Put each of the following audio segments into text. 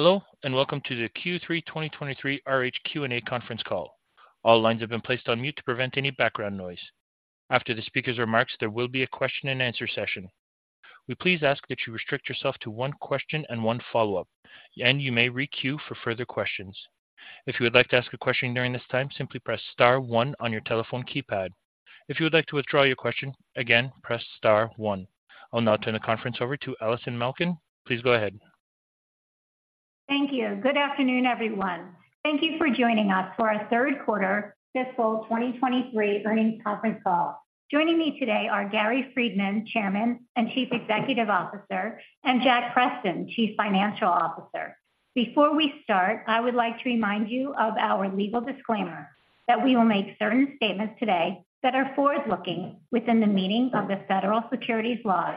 Hello, and welcome to the Q3 2023 RH Q&A conference call. All lines have been placed on mute to prevent any background noise. After the speaker's remarks, there will be a question and answer session. We please ask that you restrict yourself to one question and one follow-up, and you may re-queue for further questions. If you would like to ask a question during this time, simply press star one on your telephone keypad. If you would like to withdraw your question, again, press star one. I'll now turn the conference over to Allison Malkin. Please go ahead. Thank you. Good afternoon, everyone. Thank you for joining us for our third quarter fiscal 2023 earnings conference call. Joining me today are Gary Friedman, Chairman and Chief Executive Officer, and Jack Preston, Chief Financial Officer. Before we start, I would like to remind you of our legal disclaimer that we will make certain statements today that are forward-looking within the meaning of the federal securities laws,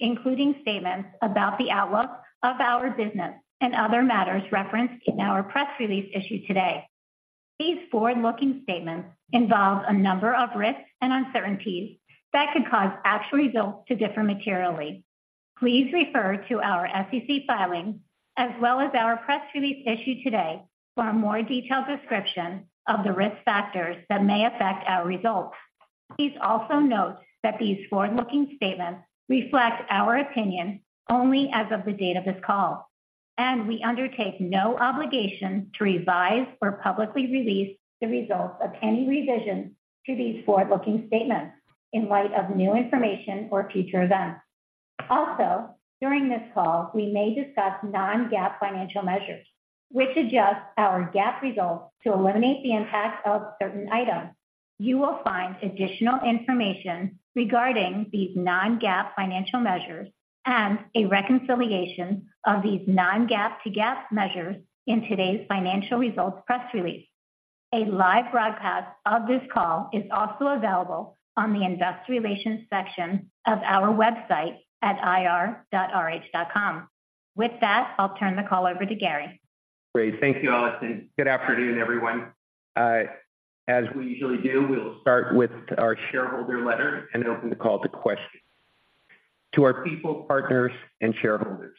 including statements about the outlook of our business and other matters referenced in our press release issued today. These forward-looking statements involve a number of risks and uncertainties that could cause actual results to differ materially. Please refer to our SEC filings, as well as our press release issued today, for a more detailed description of the risk factors that may affect our results. Please also note that these forward-looking statements reflect our opinion only as of the date of this call, and we undertake no obligation to revise or publicly release the results of any revisions to these forward-looking statements in light of new information or future events. Also, during this call, we may discuss non-GAAP financial measures, which adjust our GAAP results to eliminate the impact of certain items. You will find additional information regarding these non-GAAP financial measures and a reconciliation of these non-GAAP to GAAP measures in today's financial results press release. A live broadcast of this call is also available on the Investor Relations section of our website at ir.rh.com. With that, I'll turn the call over to Gary. Great. Thank you, Allison. Good afternoon, everyone. As we usually do, we will start with our shareholder letter and open the call to questions. To our people, partners, and shareholders,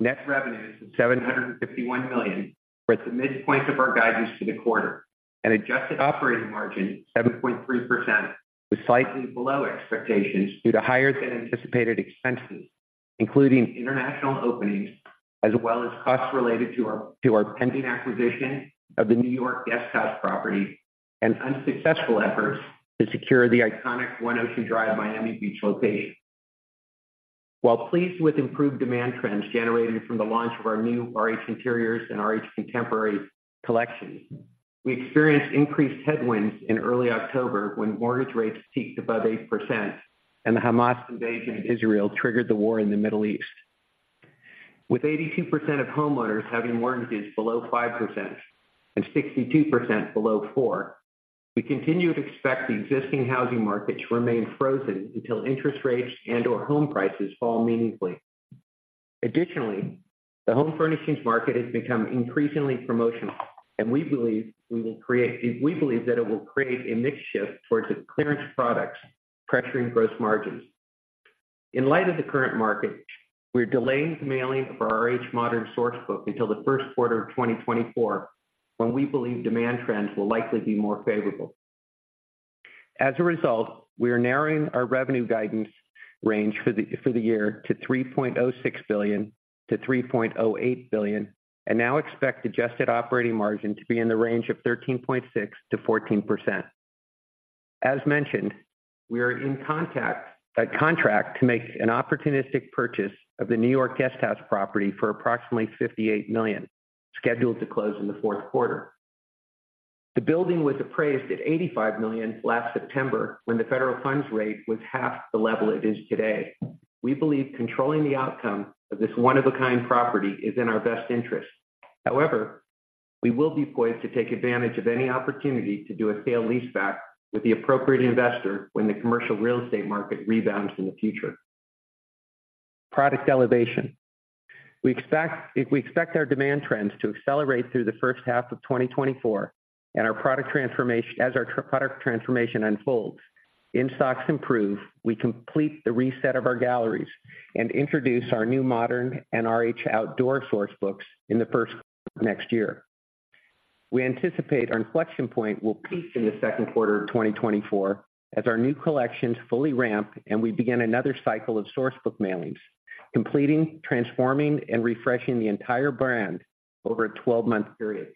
net revenues of $751 million were at the midpoint of our guidance for the quarter, and adjusted operating margin, 7.3%, was slightly below expectations due to higher than anticipated expenses, including international openings, as well as costs related to our pending acquisition of the New York Guesthouse property and unsuccessful efforts to secure the iconic One Ocean Drive, Miami Beach location. While pleased with improved demand trends generated from the launch of our new RH Interiors and RH Contemporary collections, we experienced increased headwinds in early October when mortgage rates peaked above 8% and the Hamas invasion of Israel triggered the war in the Middle East. With 82% of homeowners having mortgages below 5% and 62% below 4%, we continue to expect the existing housing market to remain frozen until interest rates and/or home prices fall meaningfully. Additionally, the home furnishings market has become increasingly promotional, and we believe that it will create a mix shift towards clearance products, pressuring gross margins. In light of the current market, we're delaying the mailing of our RH Modern sourcebook until the first quarter of 2024, when we believe demand trends will likely be more favorable. As a result, we are narrowing our revenue guidance range for the year to $3.06 billion-$3.08 billion and now expect adjusted operating margin to be in the range of 13.6%-14%. As mentioned, we are in contract to make an opportunistic purchase of the New York Guesthouse property for approximately $58 million, scheduled to close in the fourth quarter. The building was appraised at $85 million last September, when the federal funds rate was half the level it is today. We believe controlling the outcome of this one-of-a-kind property is in our best interest. However, we will be poised to take advantage of any opportunity to do a sale-leaseback with the appropriate investor when the commercial real estate market rebounds in the future. Product elevation. We expect, we expect our demand trends to accelerate through the first half of 2024 and our product transformation - as our product transformation unfolds, in-stocks improve, we complete the reset of our galleries and introduce our new Modern and RH Outdoor sourcebooks in the first quarter of next year. We anticipate our inflection point will peak in the second quarter of 2024 as our new collections fully ramp and we begin another cycle of sourcebook mailings, completing, transforming, and refreshing the entire brand over a 12-month period.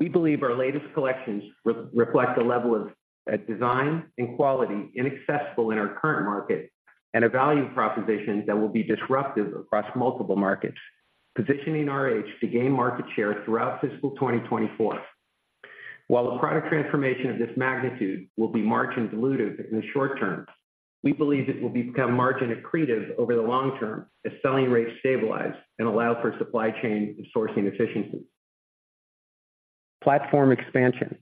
We believe our latest collections re-reflect a level of design and quality inaccessible in our current market and a value proposition that will be disruptive across multiple markets, positioning RH to gain market share throughout fiscal 2024. While the product transformation of this magnitude will be margin dilutive in the short term, we believe it will become margin accretive over the long term as selling rates stabilize and allow for supply chain and sourcing efficiencies. Platform expansion.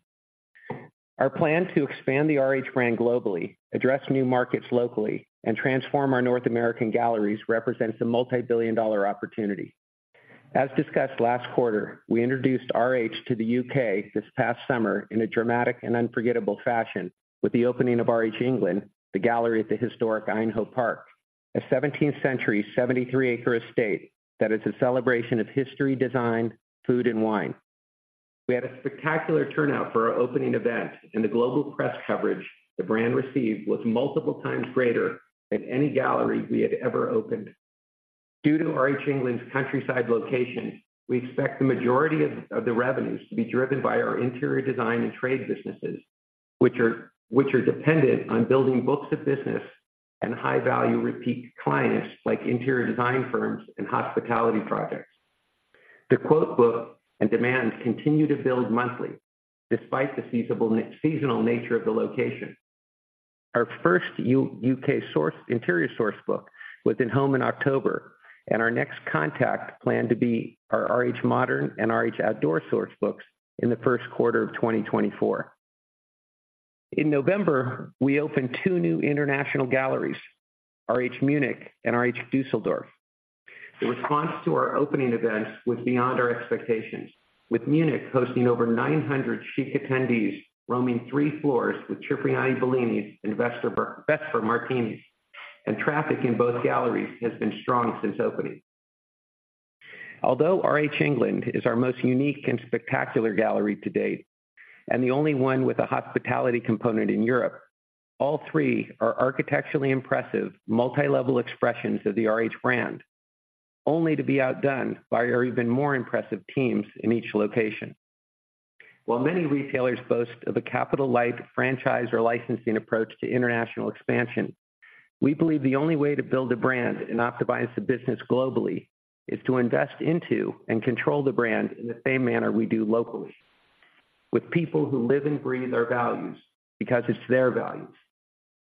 Our plan to expand the RH brand globally, address new markets locally, and transform our North American galleries represents a multibillion-dollar opportunity. As discussed last quarter, we introduced RH to the UK this past summer in a dramatic and unforgettable fashion with the opening of RH England, the gallery at the historic Aynhoe Park, a seventeenth-century, 73-acre estate that is a celebration of history, design, food, and wine. We had a spectacular turnout for our opening event, and the global press coverage the brand received was multiple times greater than any gallery we had ever opened. Due to RH England's countryside location, we expect the majority of the revenues to be driven by our interior design and trade businesses, which are dependent on building books of business and high-value repeat clients, like interior design firms and hospitality projects. The quote book and demand continue to build monthly despite the seasonal nature of the location. Our first U.K. Interiors sourcebook was in homes in October, and our next catalogs planned to be our RH Modern and RH Outdoor sourcebooks in the first quarter of 2024. In November, we opened two new international galleries, RH Munich and RH Düsseldorf. The response to our opening events was beyond our expectations, with Munich hosting over 900 chic attendees, roaming three floors with Cipriani Bellinis and Vesper Martinis, and traffic in both galleries has been strong since opening. Although RH England is our most unique and spectacular gallery to date, and the only one with a hospitality component in Europe, all three are architecturally impressive, multi-level expressions of the RH brand, only to be outdone by our even more impressive teams in each location. While many retailers boast of a capital-light franchise or licensing approach to international expansion, we believe the only way to build a brand and optimize the business globally is to invest into and control the brand in the same manner we do locally, with people who live and breathe our values because it's their values.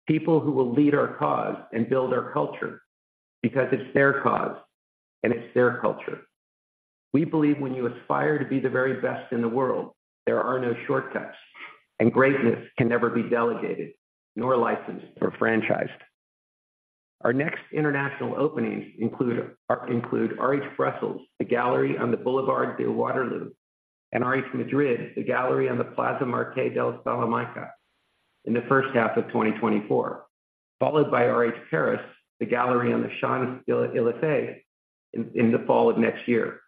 People who will lead our cause and build our culture because it's their cause and it's their culture. We believe when you aspire to be the very best in the world, there are no shortcuts, and greatness can never be delegated, nor licensed or franchised. Our next international openings include RH Brussels, a gallery on the Boulevard de Waterloo, and RH Madrid, a gallery on the Plaza Marqués de Salamanca in the first half of 2024, followed by RH Paris, the gallery on the Champs-Élysées in the fall of next year.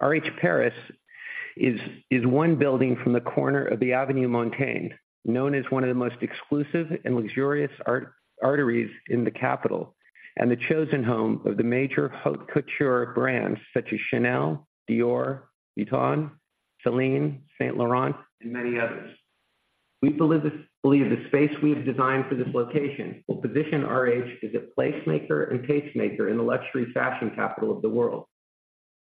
RH Paris is one building from the corner of the Avenue Montaigne, known as one of the most exclusive and luxurious arteries in the capital, and the chosen home of the major haute couture brands such as Chanel, Dior, Vuitton, Celine, Saint Laurent, and many others. We believe the space we've designed for this location will position RH as a placemaker and tastemaker in the luxury fashion capital of the world.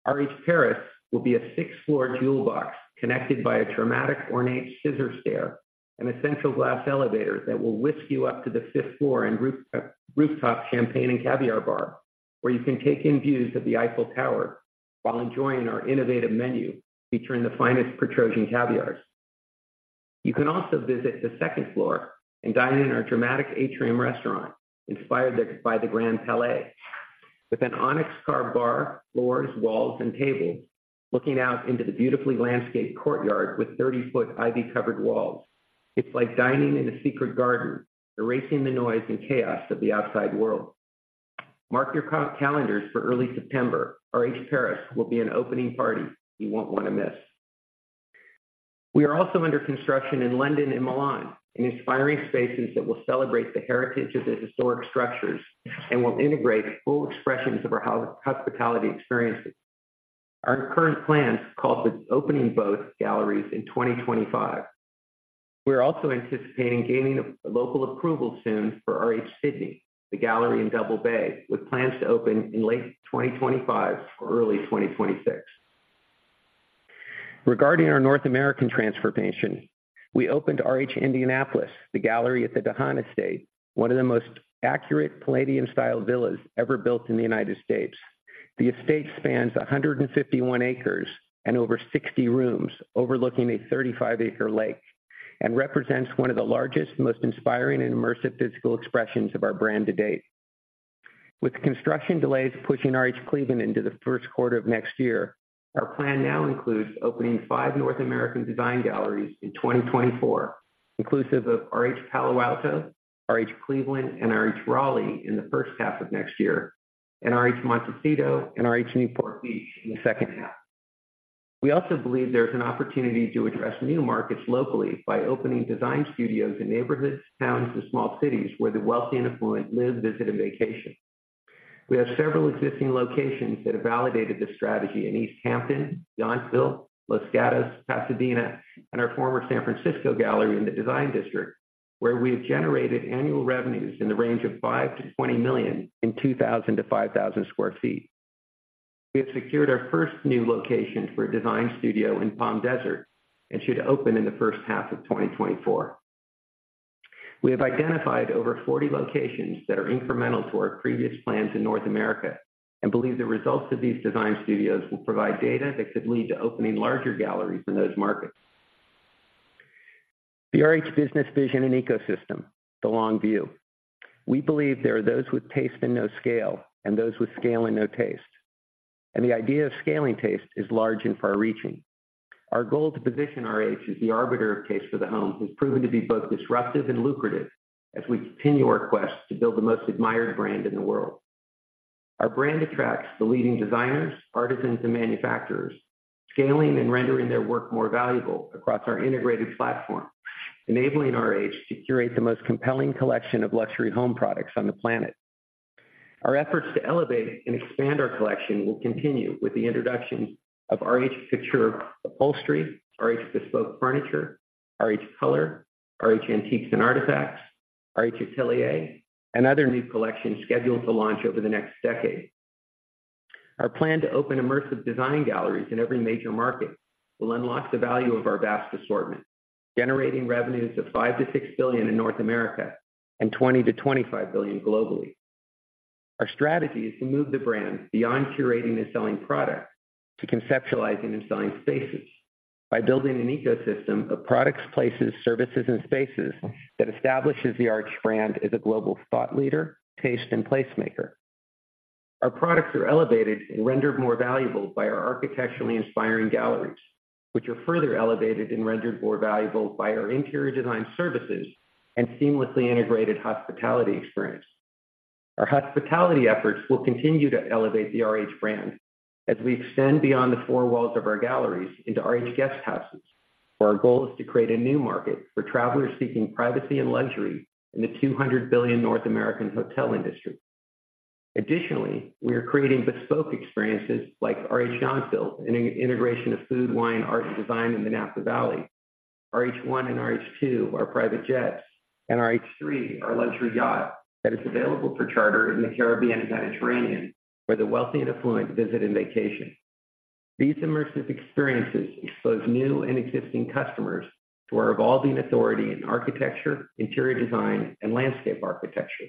RH Paris will be a six-floor jewel box connected by a dramatic ornate scissor stair and a central glass elevator that will whisk you up to the fifth floor and rooftop champagne and caviar bar, where you can take in views of the Eiffel Tower while enjoying our innovative menu featuring the finest Petrossian caviars. You can also visit the second floor and dine in our dramatic atrium restaurant, inspired by the Grand Palais. With an onyx bar, floors, walls, and tables, looking out into the beautifully landscaped courtyard with 30-foot ivy-covered walls. It's like dining in a secret garden, erasing the noise and chaos of the outside world. Mark your calendars for early September. RH Paris will be an opening party you won't want to miss. We are also under construction in London and Milan, in inspiring spaces that will celebrate the heritage of the historic structures and will integrate full expressions of our hospitality experiences. Our current plans call for opening both galleries in 2025. We're also anticipating gaining a local approval soon for RH Sylt, the gallery in Double Bay, with plans to open in late 2025 or early 2026. Regarding our North American transformation, we opened RH Indianapolis, the gallery at the DeHaan Estate, one of the most accurate Palladian-style villas ever built in the United States. The estate spans 151 acres and over 60 rooms overlooking a 35-acre lake, and represents one of the largest, most inspiring, and immersive physical expressions of our brand to date. With construction delays pushing RH Cleveland into the first quarter of next year, our plan now includes opening 5 North American design galleries in 2024, inclusive of RH Palo Alto, RH Cleveland, and RH Raleigh in the first half of next year, and RH Montecito and RH Newport Beach in the second half. We also believe there is an opportunity to address new markets locally by opening design studios in neighborhoods, towns, and small cities where the wealthy and affluent live, visit, and vacation. We have several existing locations that have validated this strategy in East Hampton, Yountville, Los Gatos, Pasadena, and our former San Francisco gallery in the Design District, where we've generated annual revenues in the range of $5 million-$20 million in 2,000-5,000 sq ft. We have secured our first new location for a design studio in Palm Desert, and should open in the first half of 2024. We have identified over 40 locations that are incremental to our previous plans in North America and believe the results of these design studios will provide data that could lead to opening larger galleries in those markets. The RH business vision and ecosystem, the long view. We believe there are those with taste and no scale, and those with scale and no taste, and the idea of scaling taste is large and far-reaching. Our goal to position RH as the arbiter of taste for the home has proven to be both disruptive and lucrative as we continue our quest to build the most admired brand in the world.... Our brand attracts the leading designers, artisans, and manufacturers, scaling and rendering their work more valuable across our integrated platform, enabling RH to curate the most compelling collection of luxury home products on the planet. Our efforts to elevate and expand our collection will continue with the introduction of RH Couture Upholstery, RH Bespoke Furniture, RH Color, RH Antiques and Artifacts, RH Atelier, and other new collections scheduled to launch over the next decade. Our plan to open immersive design galleries in every major market will unlock the value of our vast assortment, generating revenues of $5 billion-$6 billion in North America and $20 billion-$25 billion globally. Our strategy is to move the brand beyond curating and selling products, to conceptualizing and selling spaces by building an ecosystem of products, places, services, and spaces that establishes the RH brand as a global thought leader, taste, and placemaker. Our products are elevated and rendered more valuable by our architecturally inspiring galleries, which are further elevated and rendered more valuable by our interior design services and seamlessly integrated hospitality experience. Our hospitality efforts will continue to elevate the RH brand as we extend beyond the four walls of our galleries into RH guest houses, where our goal is to create a new market for travelers seeking privacy and luxury in the $200 billion North American hotel industry. Additionally, we are creating bespoke experiences like RH Yountville, an integration of food, wine, art, and design in the Napa Valley. RH One and RH Two are private jets, and RH Three, our luxury yacht that is available for charter in the Caribbean and Mediterranean, where the wealthy and affluent visit and vacation. These immersive experiences expose new and existing customers to our evolving authority in architecture, interior design, and landscape architecture.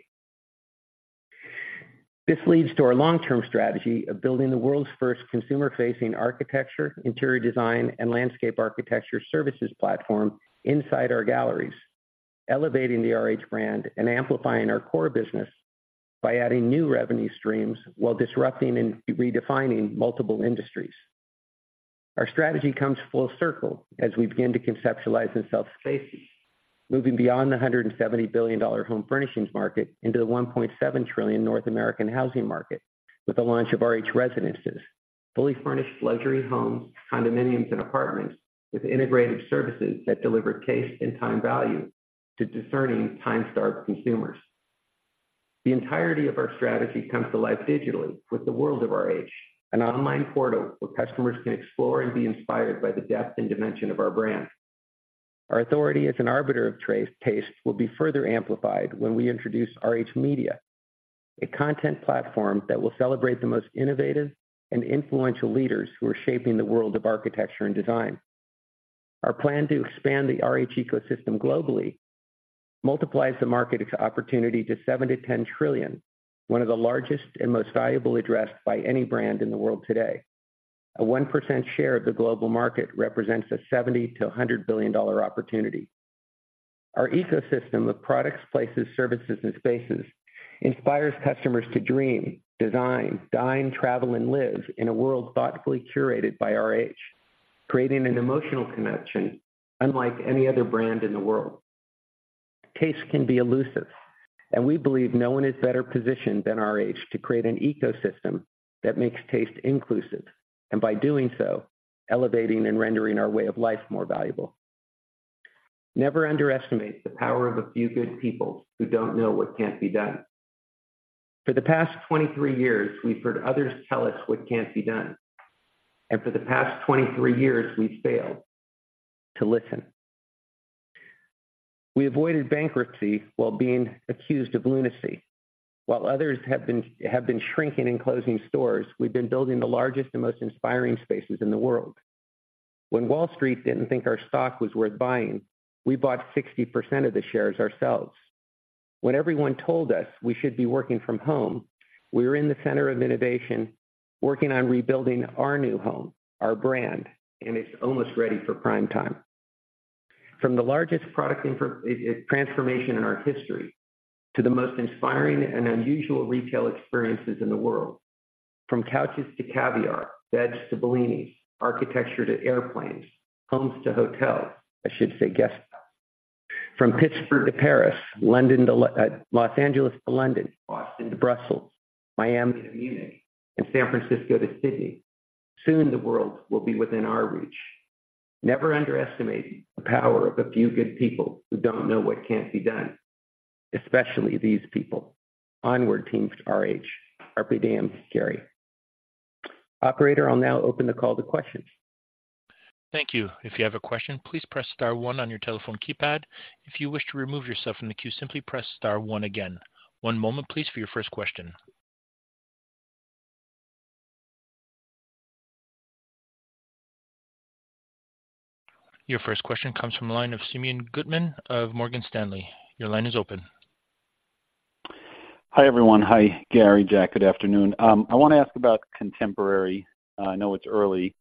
This leads to our long-term strategy of building the world's first consumer-facing architecture, interior design, and landscape architecture services platform inside our galleries, elevating the RH brand and amplifying our core business by adding new revenue streams while disrupting and redefining multiple industries. Our strategy comes full circle as we begin to conceptualize and sell spaces, moving beyond the $170 billion home furnishings market into the $1.7 trillion North American housing market with the launch of RH Residences, fully furnished luxury homes, condominiums, and apartments with integrated services that deliver taste and time value to discerning, time-starved consumers. The entirety of our strategy comes to life digitally with the World of RH, an online portal where customers can explore and be inspired by the depth and dimension of our brand. Our authority as an arbiter of taste will be further amplified when we introduce RH Media, a content platform that will celebrate the most innovative and influential leaders who are shaping the world of architecture and design. Our plan to expand the RH ecosystem globally multiplies the market opportunity to $7-$10 trillion, one of the largest and most valuable addressed by any brand in the world today. A 1% share of the global market represents a $70-$100 billion opportunity. Our ecosystem of products, places, services, and spaces inspires customers to dream, design, dine, travel, and live in a world thoughtfully curated by RH, creating an emotional connection unlike any other brand in the world. Taste can be elusive, and we believe no one is better positioned than RH to create an ecosystem that makes taste inclusive, and by doing so, elevating and rendering our way of life more valuable. Never underestimate the power of a few good people who don't know what can't be done. For the past 23 years, we've heard others tell us what can't be done, and for the past 23 years, we've failed to listen. We avoided bankruptcy while being accused of lunacy. While others have been shrinking and closing stores, we've been building the largest and most inspiring spaces in the world. When Wall Street didn't think our stock was worth buying, we bought 60% of the shares ourselves. When everyone told us we should be working from home, we were in the center of innovation, working on rebuilding our new home, our brand, and it's almost ready for prime time. From the largest product information transformation in our history, to the most inspiring and unusual retail experiences in the world, from couches to caviar, beds to Bellinis, architecture to airplanes, homes to hotels, I should say guest houses. From Pittsburgh to Paris, London to... Los Angeles to London, Boston to Brussels, Miami to Munich, and San Francisco to Sydney. Soon, the world will be within our reach. Never underestimate the power of a few good people who don't know what can't be done, especially these people. Onward, Team RH. Carpe Diem, Gary. Operator, I'll now open the call to questions. Thank you. If you have a question, please press star one on your telephone keypad. If you wish to remove yourself from the queue, simply press star one again. One moment, please, for your first question. Your first question comes from the line of Simeon Gutman of Morgan Stanley. Your line is open. Hi, everyone. Hi, Gary, Jack, good afternoon. I want to ask about contemporary. I know it's early.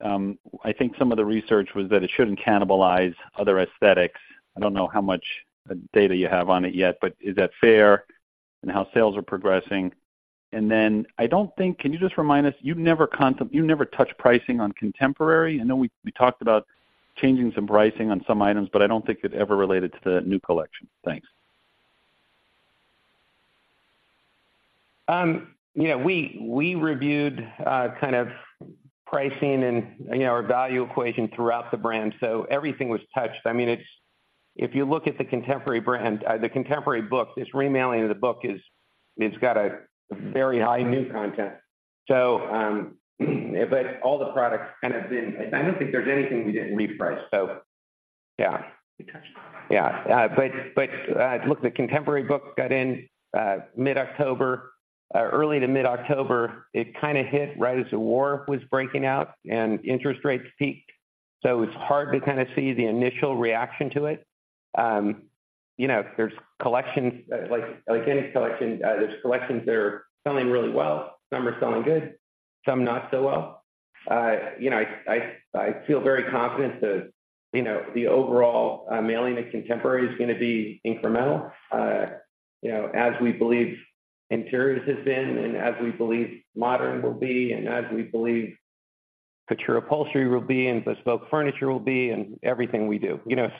I think some of the research was that it shouldn't cannibalize other aesthetics. I don't know how much data you have on it yet, but is that fair and how sales are progressing? And then I don't think... Can you just remind us, you've never touched pricing on contemporary. I know we talked about changing some pricing on some items, but I don't think it ever related to the new collection. Thanks. Yeah, we reviewed kind of pricing and, you know, our value equation throughout the brand, so everything was touched. I mean, it's—if you look at the contemporary brand, the contemporary book, this remailing of the book is, it's got a very high news content. So, but all the products kind of been—I don't think there's anything we didn't reprice. So, yeah, we touched. Yeah, but look, the contemporary book got in mid-October, early to mid-October. It kind of hit right as the war was breaking out and interest rates peaked, so it's hard to kind of see the initial reaction to it. You know, there's collections, like, like any collection, there's collections that are selling really well, some are selling good, some not so well. You know, I feel very confident that, you know, the overall mailing of Contemporary is gonna be incremental, you know, as we believe Interiors has been, and as we believe Modern will be, and as we believe Couture Upholstery will be, and Bespoke Furniture will be, and everything we do. You know,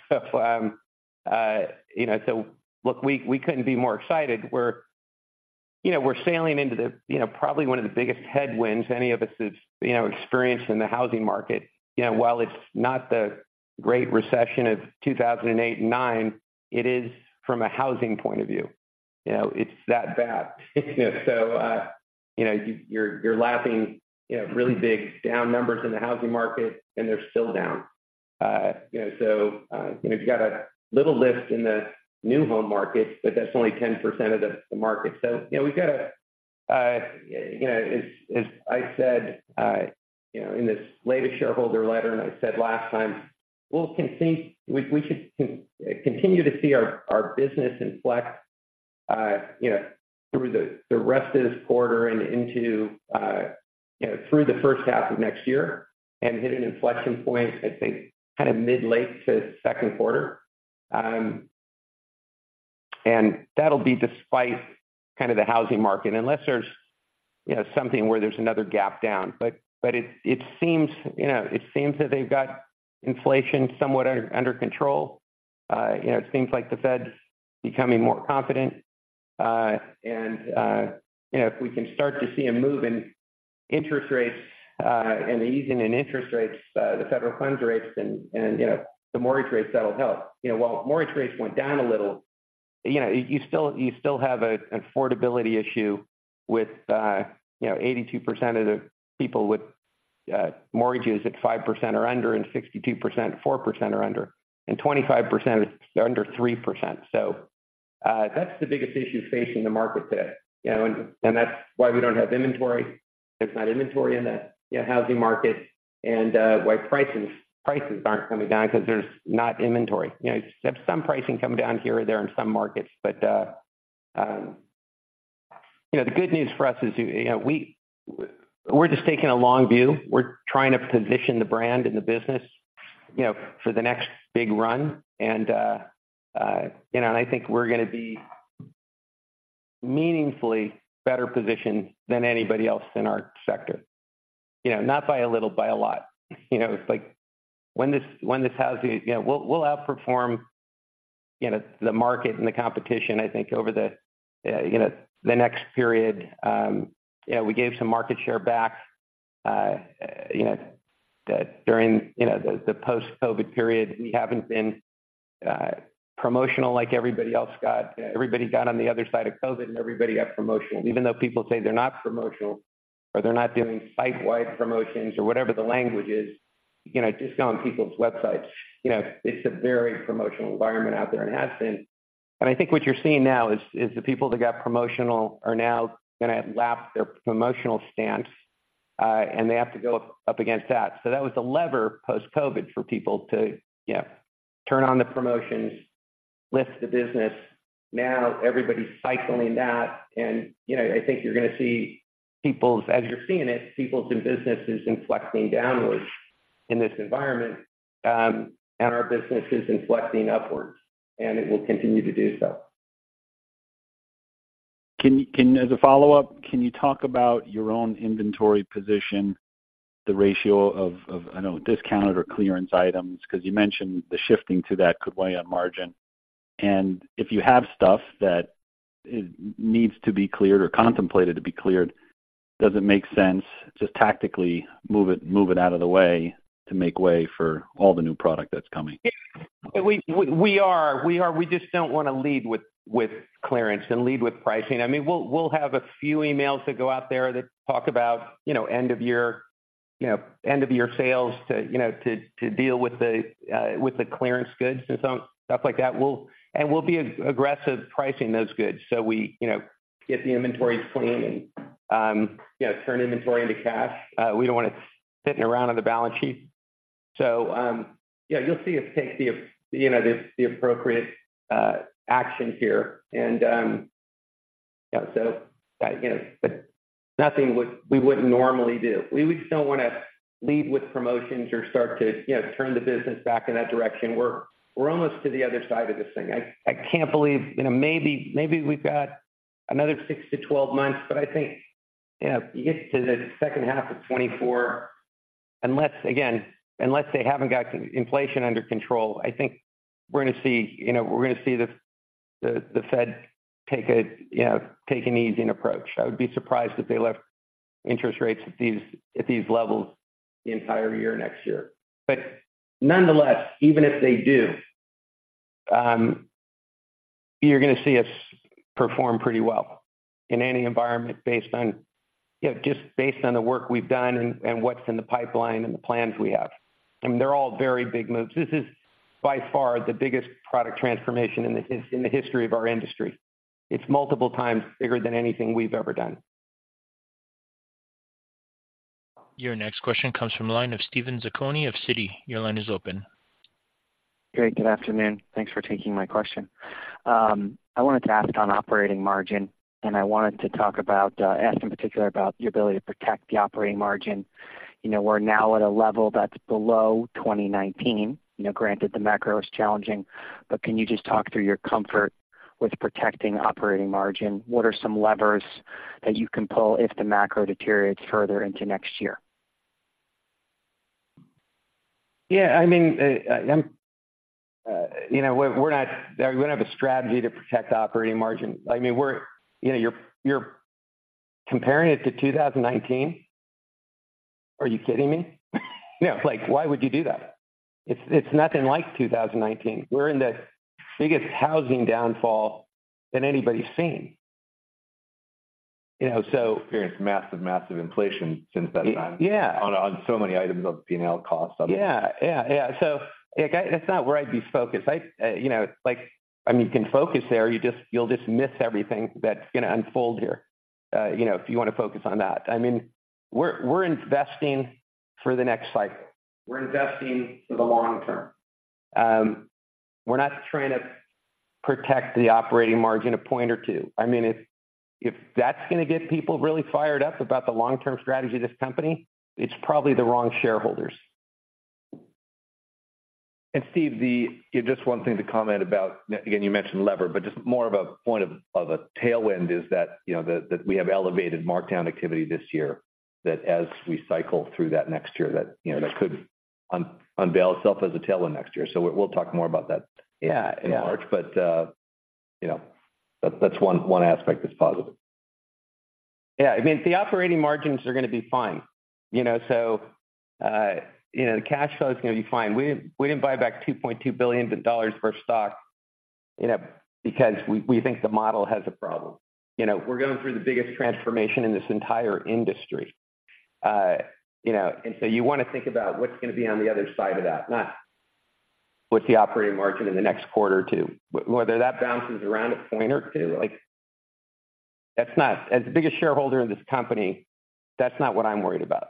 so look, we couldn't be more excited. We're, you know, we're sailing into the, you know, probably one of the biggest headwinds any of us has, you know, experienced in the housing market. You know, while it's not the Great Recession of 2008 and 2009, it is from a housing point of view. You know, it's that bad. So, you know, you're lapping, you know, really big down numbers in the housing market, and they're still down. You know, so, you know, you've got a little lift in the new home market, but that's only 10% of the market. So, you know, we've got a, you know, as I said, you know, in this latest shareholder letter, and I said last time, we'll continue—we should continue to see our business inflect, you know, through the rest of this quarter and into, you know, through the first half of next year and hit an inflection point, I think, kind of mid-late to second quarter. And that'll be despite kind of the housing market, unless there's, you know, something where there's another gap down. But it seems, you know, it seems that they've got inflation somewhat under control. You know, it seems like the Fed's becoming more confident. You know, if we can start to see a move in interest rates, and the easing in interest rates, the Federal funds rates and, and, you know, the mortgage rates, that'll help. You know, while mortgage rates went down a little, you know, you still have an affordability issue with, you know, 82% of the people with mortgages at 5% or under, and 62%, 4% or under, and 25% are under 3%. So, that's the biggest issue facing the market today, you know, and, and that's why we don't have inventory. There's not inventory in the, you know, housing market, and why prices aren't coming down because there's not inventory. You know, you have some pricing coming down here or there in some markets, but, you know, the good news for us is, you know, we're just taking a long view. We're trying to position the brand and the business, you know, for the next big run, and, you know, and I think we're gonna be meaningfully better positioned than anybody else in our sector. You know, not by a little, by a lot. You know, it's like when this housing... You know, we'll outperform, you know, the market and the competition, I think, over the, you know, the next period. You know, we gave some market share back, you know, during the post-COVID period. We haven't been promotional like everybody else got. Everybody got on the other side of COVID, and everybody got promotional. Even though people say they're not promotional, or they're not doing site-wide promotions or whatever the language is, you know, just go on people's websites. You know, it's a very promotional environment out there and has been. And I think what you're seeing now is the people that got promotional are now gonna lap their promotional stance, and they have to go up against that. So that was a lever post-COVID for people to, you know, turn on the promotions, lift the business. Now everybody's cycling that, and, you know, I think you're gonna see people's—as you're seeing it, people's and businesses inflecting downwards in this environment, and our business is inflecting upwards, and it will continue to do so. As a follow-up, can you talk about your own inventory position, the ratio of, I know, discounted or clearance items? Because you mentioned the shifting to that could weigh on margin. And if you have stuff that needs to be cleared or contemplated to be cleared, does it make sense to tactically move it, move it out of the way to make way for all the new product that's coming? We are. We just don't want to lead with clearance and lead with pricing. I mean, we'll have a few emails that go out there that talk about, you know, end of year, you know, end of year sales to, you know, to deal with the with the clearance goods and some stuff like that. We'll and we'll be aggressive pricing those goods, so we, you know, get the inventories clean and, you know, turn inventory into cash. We don't want it sitting around on the balance sheet. So, yeah, you'll see us take the, you know, the appropriate action here. And, yeah, so, you know, but nothing we wouldn't normally do. We just don't wanna lead with promotions or start to, you know, turn the business back in that direction. We're almost to the other side of this thing. I can't believe, you know, maybe we've got another 6-12 months, but I think. Yeah, you get to the second half of 2024, unless, again, they haven't got inflation under control, I think we're gonna see, you know, we're gonna see the Fed take an easing approach. I would be surprised if they left interest rates at these levels the entire year next year. But nonetheless, even if they do, you're gonna see us perform pretty well in any environment based on, you know, just based on the work we've done and what's in the pipeline and the plans we have. I mean, they're all very big moves. This is by far the biggest product transformation in the history of our industry. It's multiple times bigger than anything we've ever done. Your next question comes from the line of Steven Zaccone of Citi. Your line is open. Great, good afternoon. Thanks for taking my question. I wanted to ask on operating margin, and I wanted to ask in particular about your ability to protect the operating margin. You know, we're now at a level that's below 2019, you know, granted, the macro is challenging, but can you just talk through your comfort with protecting operating margin? What are some levers that you can pull if the macro deteriorates further into next year? Yeah, I mean, you know, we're not—we don't have a strategy to protect operating margin. I mean, we're—you know, you're comparing it to 2019. Are you kidding me? You know, like, why would you do that? It's nothing like 2019. We're in the biggest housing downfall than anybody's seen. You know, so— Experienced massive, massive inflation since that time- Yeah on so many items of P&L costs. Yeah. Yeah, yeah. So, like, that's not where I'd be focused. I, you know, like, I mean, you can focus there, you'll just miss everything that's gonna unfold here, you know, if you wanna focus on that. I mean, we're, we're investing for the next cycle. We're investing for the long term. We're not trying to protect the operating margin a point or two. I mean, if, if that's gonna get people really fired up about the long-term strategy of this company, it's probably the wrong shareholders. And Steve, just one thing to comment about. Again, you mentioned lever, but just more of a point of a tailwind is that, you know, that we have elevated markdown activity this year, that as we cycle through that next year, that, you know, that could unveil itself as a tailwind next year. So we'll talk more about that. Yeah. in March, but you know, that's one aspect that's positive. Yeah. I mean, the operating margins are gonna be fine, you know, so, the cash flow is gonna be fine. We didn't buy back $2.2 billion for stock, you know, because we think the model has a problem. You know, we're going through the biggest transformation in this entire industry. And so you wanna think about what's gonna be on the other side of that, not what's the operating margin in the next quarter or two. Whether that bounces around a point or two, like, that's not, as the biggest shareholder in this company, that's not what I'm worried about.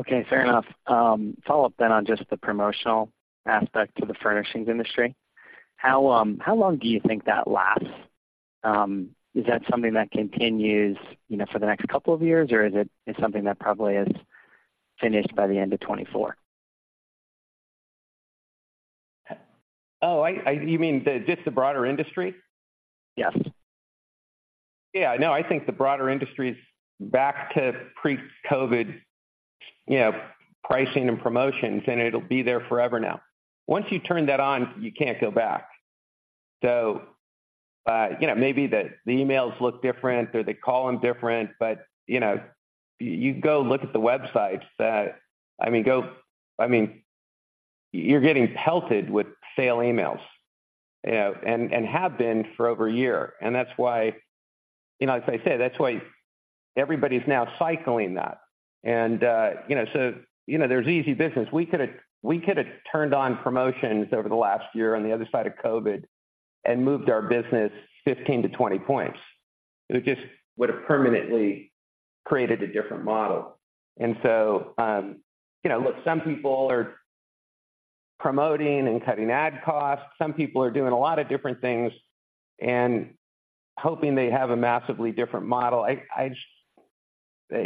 Okay, fair enough. Follow up then on just the promotional aspect to the furnishings industry. How long do you think that lasts? Is that something that continues, you know, for the next couple of years, or is it something that probably is finished by the end of 2024? Oh, you mean just the broader industry? Yes. Yeah, no, I think the broader industry is back to pre-COVID, you know, pricing and promotions, and it'll be there forever now. Once you turn that on, you can't go back. So, you know, maybe the emails look different or they call them different, but, you know, you go look at the websites, I mean, you're getting pelted with sale emails, and have been for over a year. That's why, you know, as I say, that's why everybody's now cycling that. So, you know, there's easy business. We could have turned on promotions over the last year on the other side of COVID and moved our business 15-20 points. It just would have permanently created a different model. So, you know, look, some people are promoting and cutting ad costs. Some people are doing a lot of different things and hoping they have a massively different model. I just,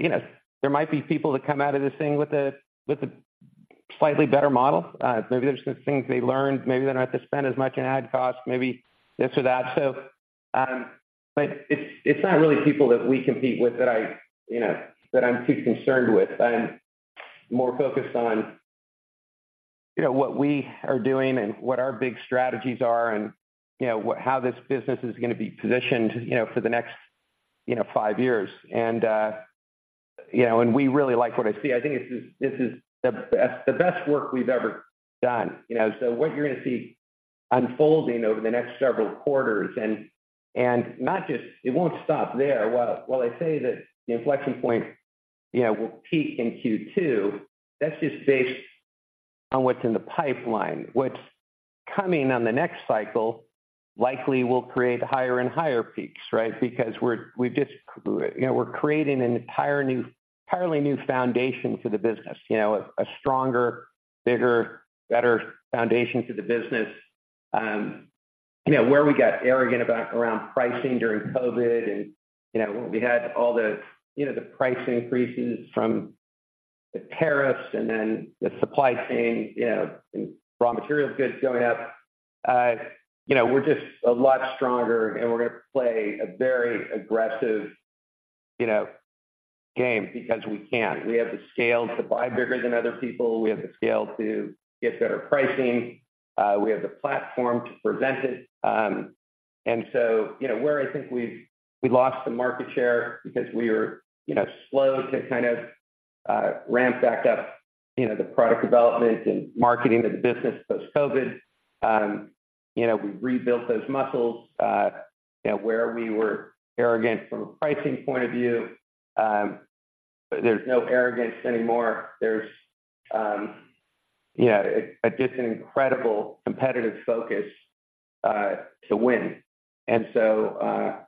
you know, there might be people that come out of this thing with a slightly better model. Maybe there's some things they learned. Maybe they don't have to spend as much in ad costs, maybe this or that. So, but it's not really people that we compete with that I, you know, that I'm too concerned with. I'm more focused on, you know, what we are doing and what our big strategies are, and you know, how this business is gonna be positioned, you know, for the next, you know, five years. And, you know, and we really like what I see. I think this is the best, the best work we've ever done, you know. So what you're gonna see unfolding over the next several quarters, and not just... It won't stop there. While I say that the inflection point, you know, will peak in Q2, that's just based on what's in the pipeline. What's coming on the next cycle likely will create higher and higher peaks, right? Because we've just, you know, we're creating an entirely new foundation for the business. You know, a stronger, bigger, better foundation for the business. You know, where we got arrogant about around pricing during COVID, and, you know, we had all the, you know, the price increases from the tariffs and then the supply chain, you know, and raw material goods going up. You know, we're just a lot stronger, and we're gonna play a very aggressive, you know, game because we can. We have the scale to buy bigger than other people. We have the scale to get better pricing. We have the platform to present it. And so, you know, where I think we've lost some market share because we were, you know, slow to kind of ramp back up, you know, the product development and marketing of the business post-COVID. You know, we rebuilt those muscles, you know, where we were arrogant from a pricing point of view, but there's no arrogance anymore. There's just an incredible competitive focus to win. And so,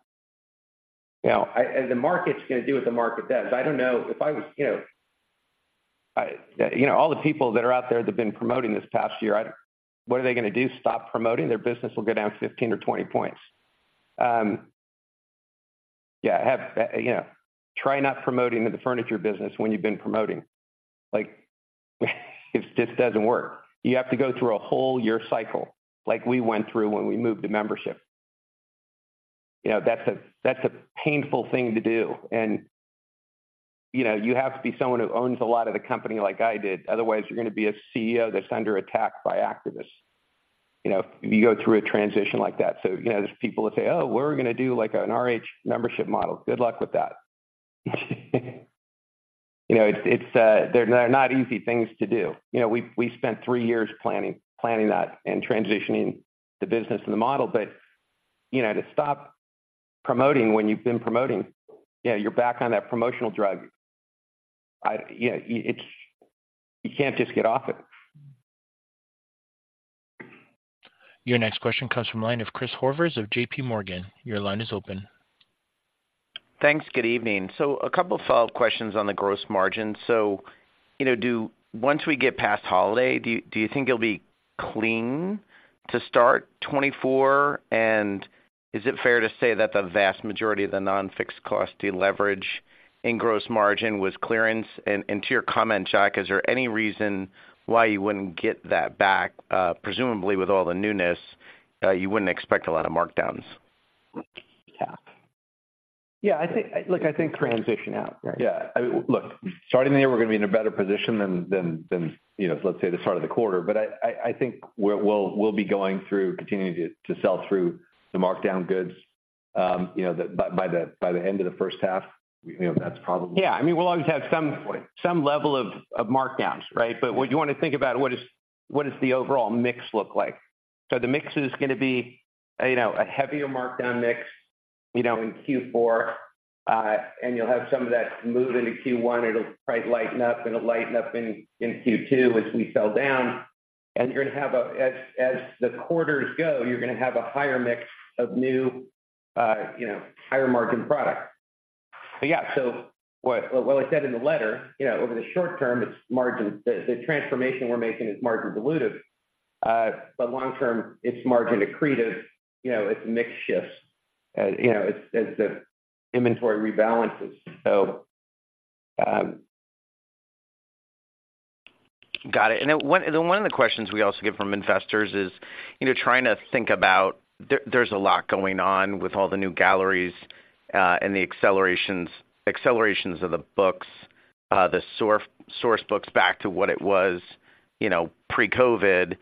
you know, and the market's gonna do what the market does. I don't know. If I was, you know, all the people that are out there that have been promoting this past year, what are they gonna do, stop promoting? Their business will go down 15 or 20 points. Yeah, you know, try not promoting in the furniture business when you've been promoting. Like, it just doesn't work. You have to go through a whole year cycle, like we went through when we moved to membership. You know, that's a painful thing to do, and, you know, you have to be someone who owns a lot of the company like I did. Otherwise, you're gonna be a CEO that's under attack by activists, you know, if you go through a transition like that. So, you know, there's people that say, "Oh, we're gonna do like, an RH membership model." Good luck with that. You know, it's they're not easy things to do. You know, we spent 3 years planning that and transitioning the business and the model. You know, to stop promoting when you've been promoting, yeah, you're back on that promotional drive. I, you know, it's you can't just get off it. Your next question comes from the line of Chris Horvers of JP Morgan. Your line is open. Thanks. Good evening. A couple of follow-up questions on the gross margin. So, you know, once we get past holiday, do you think it'll be clean to start 2024? And is it fair to say that the vast majority of the non-fixed cost deleverage in gross margin was clearance? And to your comment, Jack, is there any reason why you wouldn't get that back? Presumably with all the newness, you wouldn't expect a lot of markdowns. Yeah. Yeah, I think, look, I think- Transition out, right? Yeah. I mean, look, starting the year, we're gonna be in a better position than you know, let's say, the start of the quarter. But I think we'll be going through... continuing to sell through the markdown goods, you know, by the end of the first half, you know, that's probably- Yeah, I mean, we'll always have some- Right. some level of markdowns, right? But what you wanna think about, what does the overall mix look like? So the mix is gonna be, you know, a heavier markdown mix, you know, in Q4, and you'll have some of that move into Q1. It'll probably lighten up, and it'll lighten up in Q2 as we sell down. And you're gonna have a... As the quarters go, you're gonna have a higher mix of new, you know, higher-margin product. But yeah, so what I said in the letter, you know, over the short term, it's margin. The transformation we're making is margin dilutive, but long term, it's margin accretive. You know, it's mix shifts, you know, as the inventory rebalances. So, Got it. And then one of the questions we also get from investors is, you know, trying to think about... There's a lot going on with all the new galleries, and the accelerations of the books, the Source Books back to what it was, you know, pre-COVID.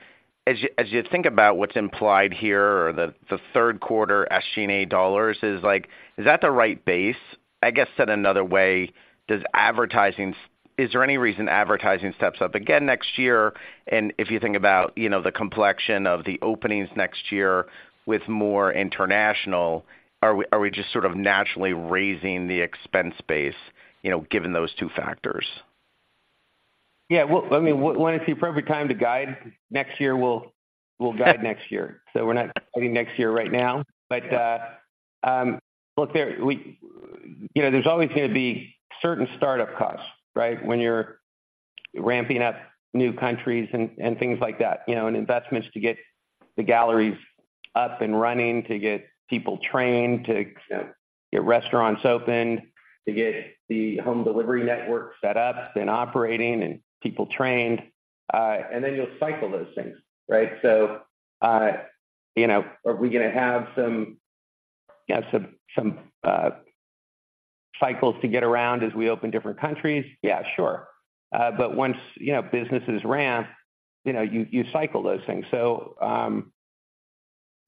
As you think about what's implied here or the third quarter as Q3 NA dollars, is like, is that the right base? I guess said another way, does advertising, is there any reason advertising steps up again next year? And if you think about, you know, the complexion of the openings next year with more international, are we just sort of naturally raising the expense base, you know, given those two factors? Yeah, well, I mean, when it's a perfect time to guide, next year, we'll guide next year. So we're not guiding next year right now. But, look, you know, there's always gonna be certain startup costs, right, when you're ramping up new countries and things like that, you know, and investments to get the galleries up and running, to get people trained, to, you know, get restaurants opened, to get the home delivery network set up and operating and people trained. And then you'll cycle those things, right? So, you know, are we gonna have some cycles to get around as we open different countries? Yeah, sure. But once, you know, business is ramped, you know, you cycle those things. So,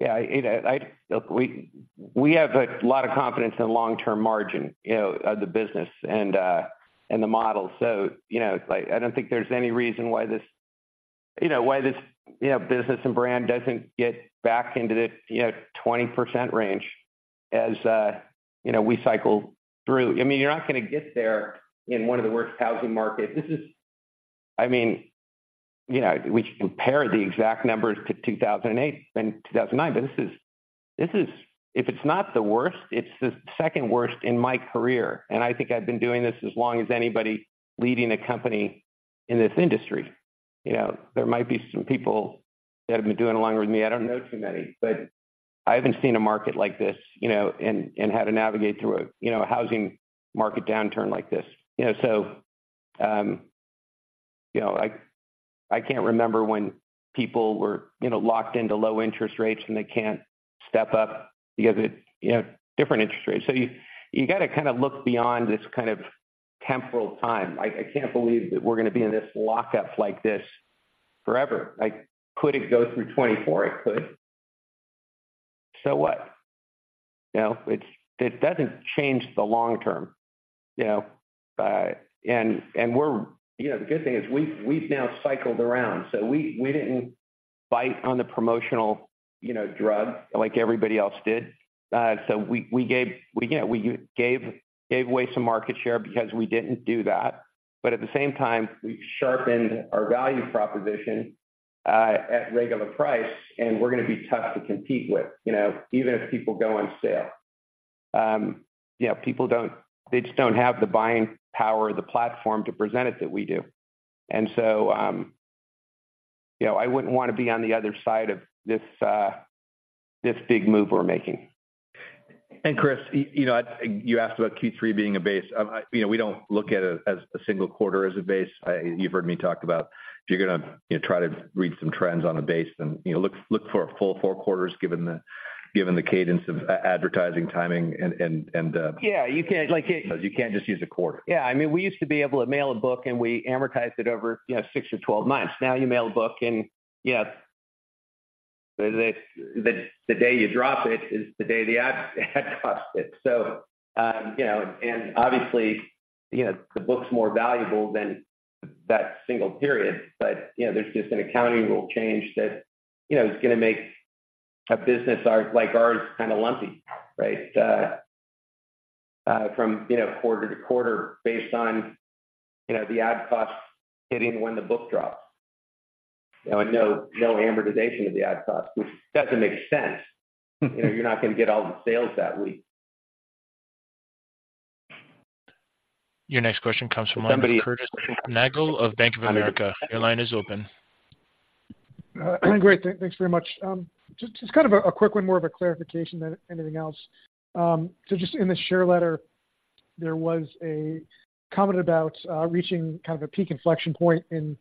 yeah, you know, I look, we have a lot of confidence in the long-term margin, you know, of the business and the model. So, you know, like, I don't think there's any reason why this, you know, why this business and brand doesn't get back into the 20% range as, you know, we cycle through. I mean, you're not gonna get there in one of the worst housing markets. This is. I mean, you know, we compare the exact numbers to 2008 and 2009, but this is. This is. If it's not the worst, it's the second worst in my career, and I think I've been doing this as long as anybody leading a company in this industry. You know, there might be some people that have been doing it longer than me. I don't know too many, but I haven't seen a market like this, you know, and how to navigate through a, you know, housing market downturn like this. You know, so, you know, I can't remember when people were, you know, locked into low interest rates and they can't step up because it, you know, different interest rates. So you got to kind of look beyond this kind of temporal time. I can't believe that we're gonna be in this lockup like this forever. Like, could it go through 2024? It could. So what? You know, it's. It doesn't change the long term, you know, and we're, you know, the good thing is we've now cycled around, so we didn't bite on the promotional, you know, drag like everybody else did. So we gave away some market share because we didn't do that. But at the same time, we've sharpened our value proposition at regular price, and we're gonna be tough to compete with, you know, even if people go on sale. You know, people just don't have the buying power or the platform to present it that we do. And so, you know, I wouldn't want to be on the other side of this big move we're making. Chris, you know, you asked about Q3 being a base. You know, we don't look at it as a single quarter as a base. You've heard me talk about if you're gonna, you know, try to read some trends on a base then, you know, look for a full four quarters, given the, given the cadence of advertising timing. Yeah, you can't, like it- You can't just use a quarter. Yeah, I mean, we used to be able to mail a book, and we amortized it over, you know, 6 or 12 months. Now, you mail a book and, yeah, the day you drop it is the day the ad costs hit it. So, you know, and obviously, you know, the book's more valuable than that single period, but, you know, there's just an accounting rule change that, you know, is gonna make a business like ours kind of lumpy, right? From, you know, quarter to quarter, based on, you know, the ad cost hitting when the book drops. You know, and no amortization of the ad cost, which doesn't make sense. You know, you're not gonna get all the sales that week. Your next question comes from- If somebody- Curtis Nagle of Bank of America. Your line is open. Great. Thanks very much. Just kind of a quick one, more of a clarification than anything else. So just in the share letter, there was a comment about reaching kind of a peak inflection point in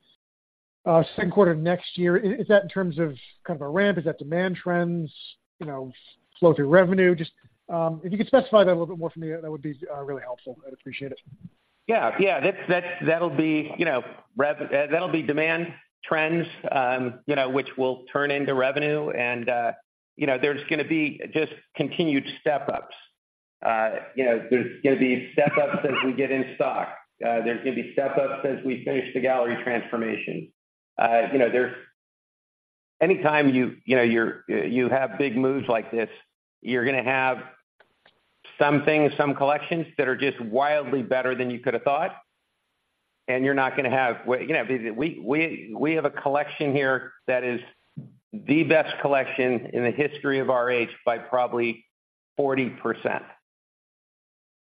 second quarter of next year. Is that in terms of kind of a ramp? Is that demand trends, you know, flow through revenue? Just if you could specify that a little bit more for me, that would be really helpful. I'd appreciate it. Yeah, yeah, that's... That'll be, you know, that'll be demand trends, you know, which will turn into revenue and, you know, there's gonna be just continued step-ups. You know, there's gonna be step-ups as we get in stock. There's gonna be step-ups as we finish the gallery transformation. You know, there's anytime you, you know, you have big moves like this, you're gonna have some things, some collections that are just wildly better than you could have thought, and you're not gonna have... Well, you know, we have a collection here that is the best collection in the history of RH by probably 40%.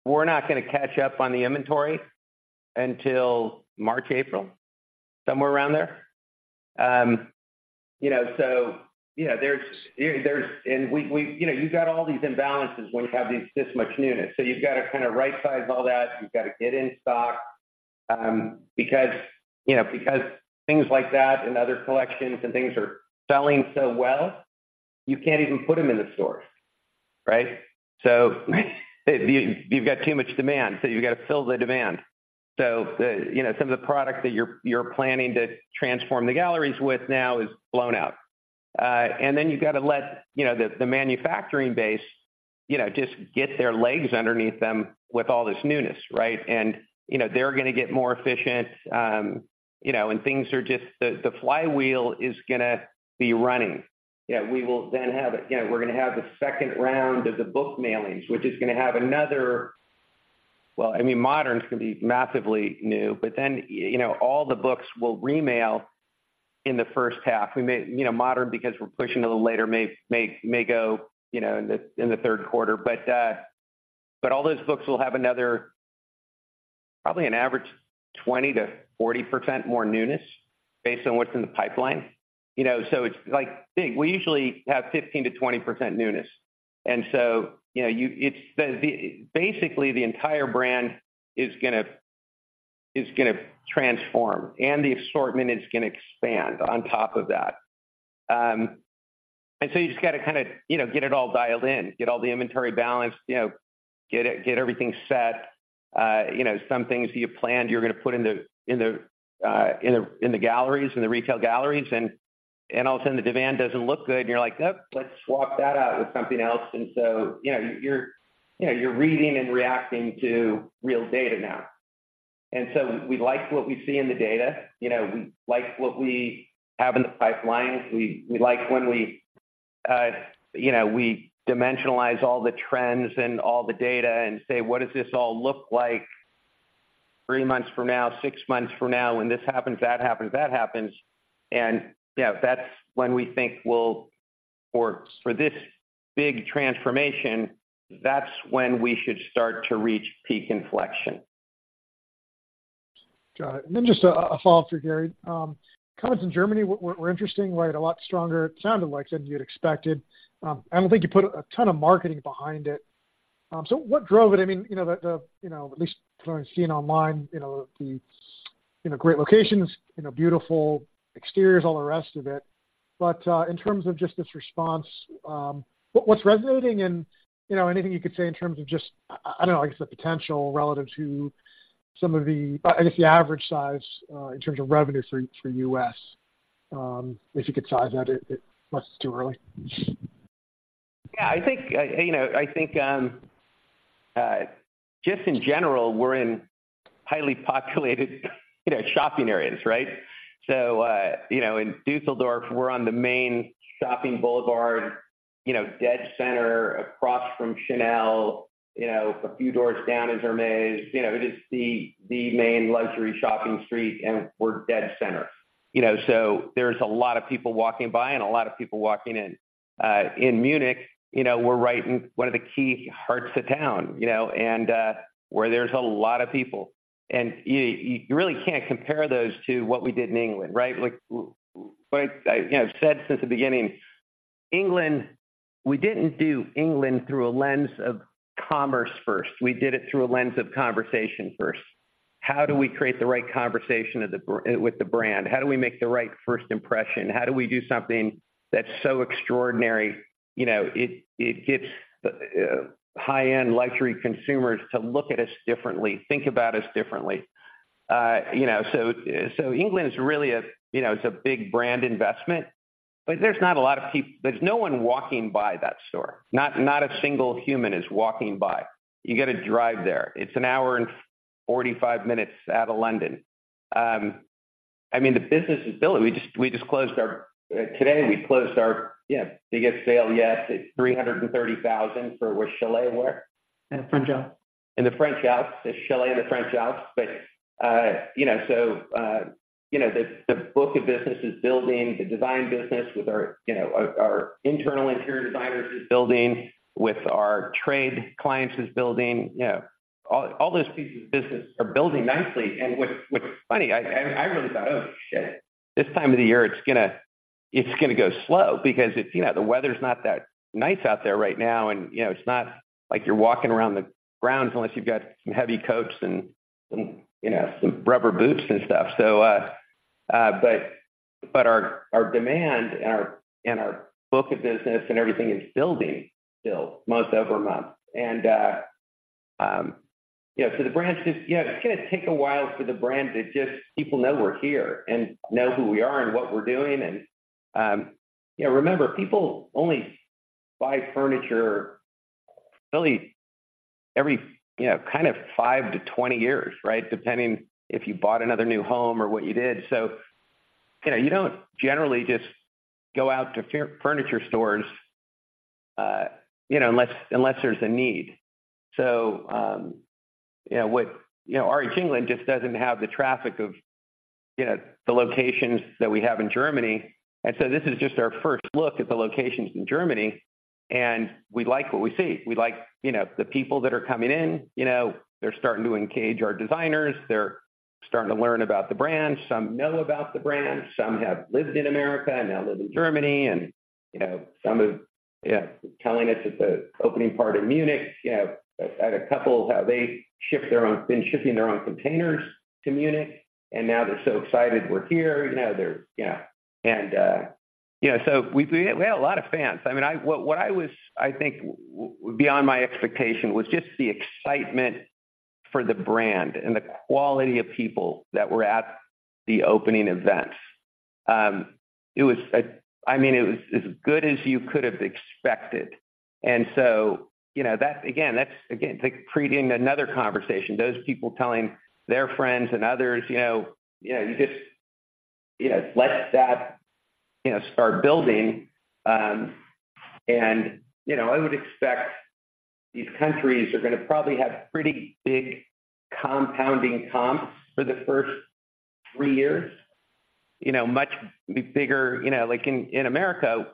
We're not gonna catch up on the inventory until March, April, somewhere around there. You know, so, you know, there's, there's... You know, you got all these imbalances when you have these, this much newness. So you've got to kind of rightsize all that. You've got to get in stock, because, you know, because things like that and other collections and things are selling so well, you can't even put them in the stores, right? So you've got too much demand, so you've got to fill the demand. So, you know, some of the product that you're planning to transform the galleries with now is blown out. And then you've got to let, you know, the manufacturing base, you know, just get their legs underneath them with all this newness, right? And, you know, they're gonna get more efficient, and things are just... The flywheel is gonna be running. Yeah, we will then have, again, we're gonna have the second round of the book mailings, which is gonna have another... Well, I mean, modern is gonna be massively new, but then, you know, all the books will remail in the first half. We may, you know, modern because we're pushing to the later, may go, you know, in the third quarter. But, but all those books will have another, probably an average 20%-40% more newness based on what's in the pipeline. You know, so it's, like, big. We usually have 15%-20% newness. And so, you know, you—it's the, the, basically, the entire brand is gonna transform, and the assortment is gonna expand on top of that. And so you just gotta kind of, you know, get it all dialed in, get all the inventory balanced, you know, get it, get everything set. You know, some things you planned, you're gonna put in the galleries, in the retail galleries, and all of a sudden the demand doesn't look good, and you're like, "Oh, let's swap that out with something else." And so, you know, you're, you know, you're reading and reacting to real data now. And so we like what we see in the data. You know, we like what we have in the pipeline. We like when we, you know, we dimensionalize all the trends and all the data and say: What does this all look like three months from now, six months from now, when this happens, that happens, that happens? Yeah, that's when we think we'll for this big transformation. That's when we should start to reach peak inflection. Got it. And then just a follow-up for Gary. Comments in Germany were interesting, right? A lot stronger, sounded like than you'd expected. I don't think you put a ton of marketing behind it. So what drove it? I mean, you know, at least from what I've seen online, you know, great locations, you know, beautiful exteriors, all the rest of it. But in terms of just this response, what's resonating and, you know, anything you could say in terms of just, I don't know, I guess the potential relative to some of the- I guess the average size in terms of revenue for US, if you could size that, it- unless it's too early. Yeah, I think, you know, I think, just in general, we're in highly populated, you know, shopping areas, right? So, you know, in Düsseldorf, we're on the main shopping boulevard, you know, dead center, across from Chanel, you know, a few doors down is Hermès. You know, it is the main luxury shopping street, and we're dead center. You know, so there's a lot of people walking by and a lot of people walking in. In Munich, you know, we're right in one of the key hearts of town, you know, and, where there's a lot of people. And you really can't compare those to what we did in England, right? Like, I, you know, said since the beginning, England—we didn't do England through a lens of commerce first. We did it through a lens of conversation first. How do we create the right conversation with the brand? How do we make the right first impression? How do we do something that's so extraordinary, you know, it, it gets high-end luxury consumers to look at us differently, think about us differently? You know, so, so England is really, you know, it's a big brand investment, but there's not a lot of people—there's no one walking by that store. Not, not a single human is walking by. You gotta drive there. It's an hour and 45 minutes out of London. I mean, the business is building. We just, we just closed our... Today, we closed our, you know, biggest sale yet. It's $300,000 for a chalet where? In the French Alps. In the French Alps. It's chalet in the French Alps. But, you know, so, you know, the book of business is building, the design business with our, you know, our internal interior designers is building, with our trade clients is building, you know, all those pieces of business are building nicely. And what's funny, I really thought, "Oh, shit, this time of the year, it's gonna go slow," because it's, you know, the weather's not that nice out there right now, and, you know, it's not like you're walking around the grounds unless you've got some heavy coats and, you know, some rubber boots and stuff. So, but our demand and our book of business and everything is building still, month-over-month. And, you know, so the brand just... Yeah, it's gonna take a while for the brand to just people know we're here and know who we are and what we're doing and, Yeah, remember, people only buy furniture really every, you know, kind of 5-20 years, right? Depending if you bought another new home or what you did. So, you know, you don't generally just go out to furniture stores, you know, unless, unless there's a need. So, you know what, you know, RH England just doesn't have the traffic of, you know, the locations that we have in Germany, and so this is just our first look at the locations in Germany, and we like what we see. We like, you know, the people that are coming in, you know, they're starting to engage our designers. They're starting to learn about the brand. Some know about the brand, some have lived in America and now live in Germany, and, you know, some are telling us at the opening party in Munich, you know, I had a couple, how they ship their own been shipping their own containers to Munich, and now they're so excited we're here, you know, they're, you know. And, yeah, so we, we have a lot of fans. I mean, what I was, I think, beyond my expectation was just the excitement for the brand and the quality of people that were at the opening events. It was, I mean, it was as good as you could have expected. And so, you know, that's, again, that's, again, like creating another conversation. Those people telling their friends and others, you know, you know, you just, you know, let that, you know, start building. And, you know, I would expect these countries are gonna probably have pretty big compounding comps for the first three years, you know, much bigger. You know, like in America,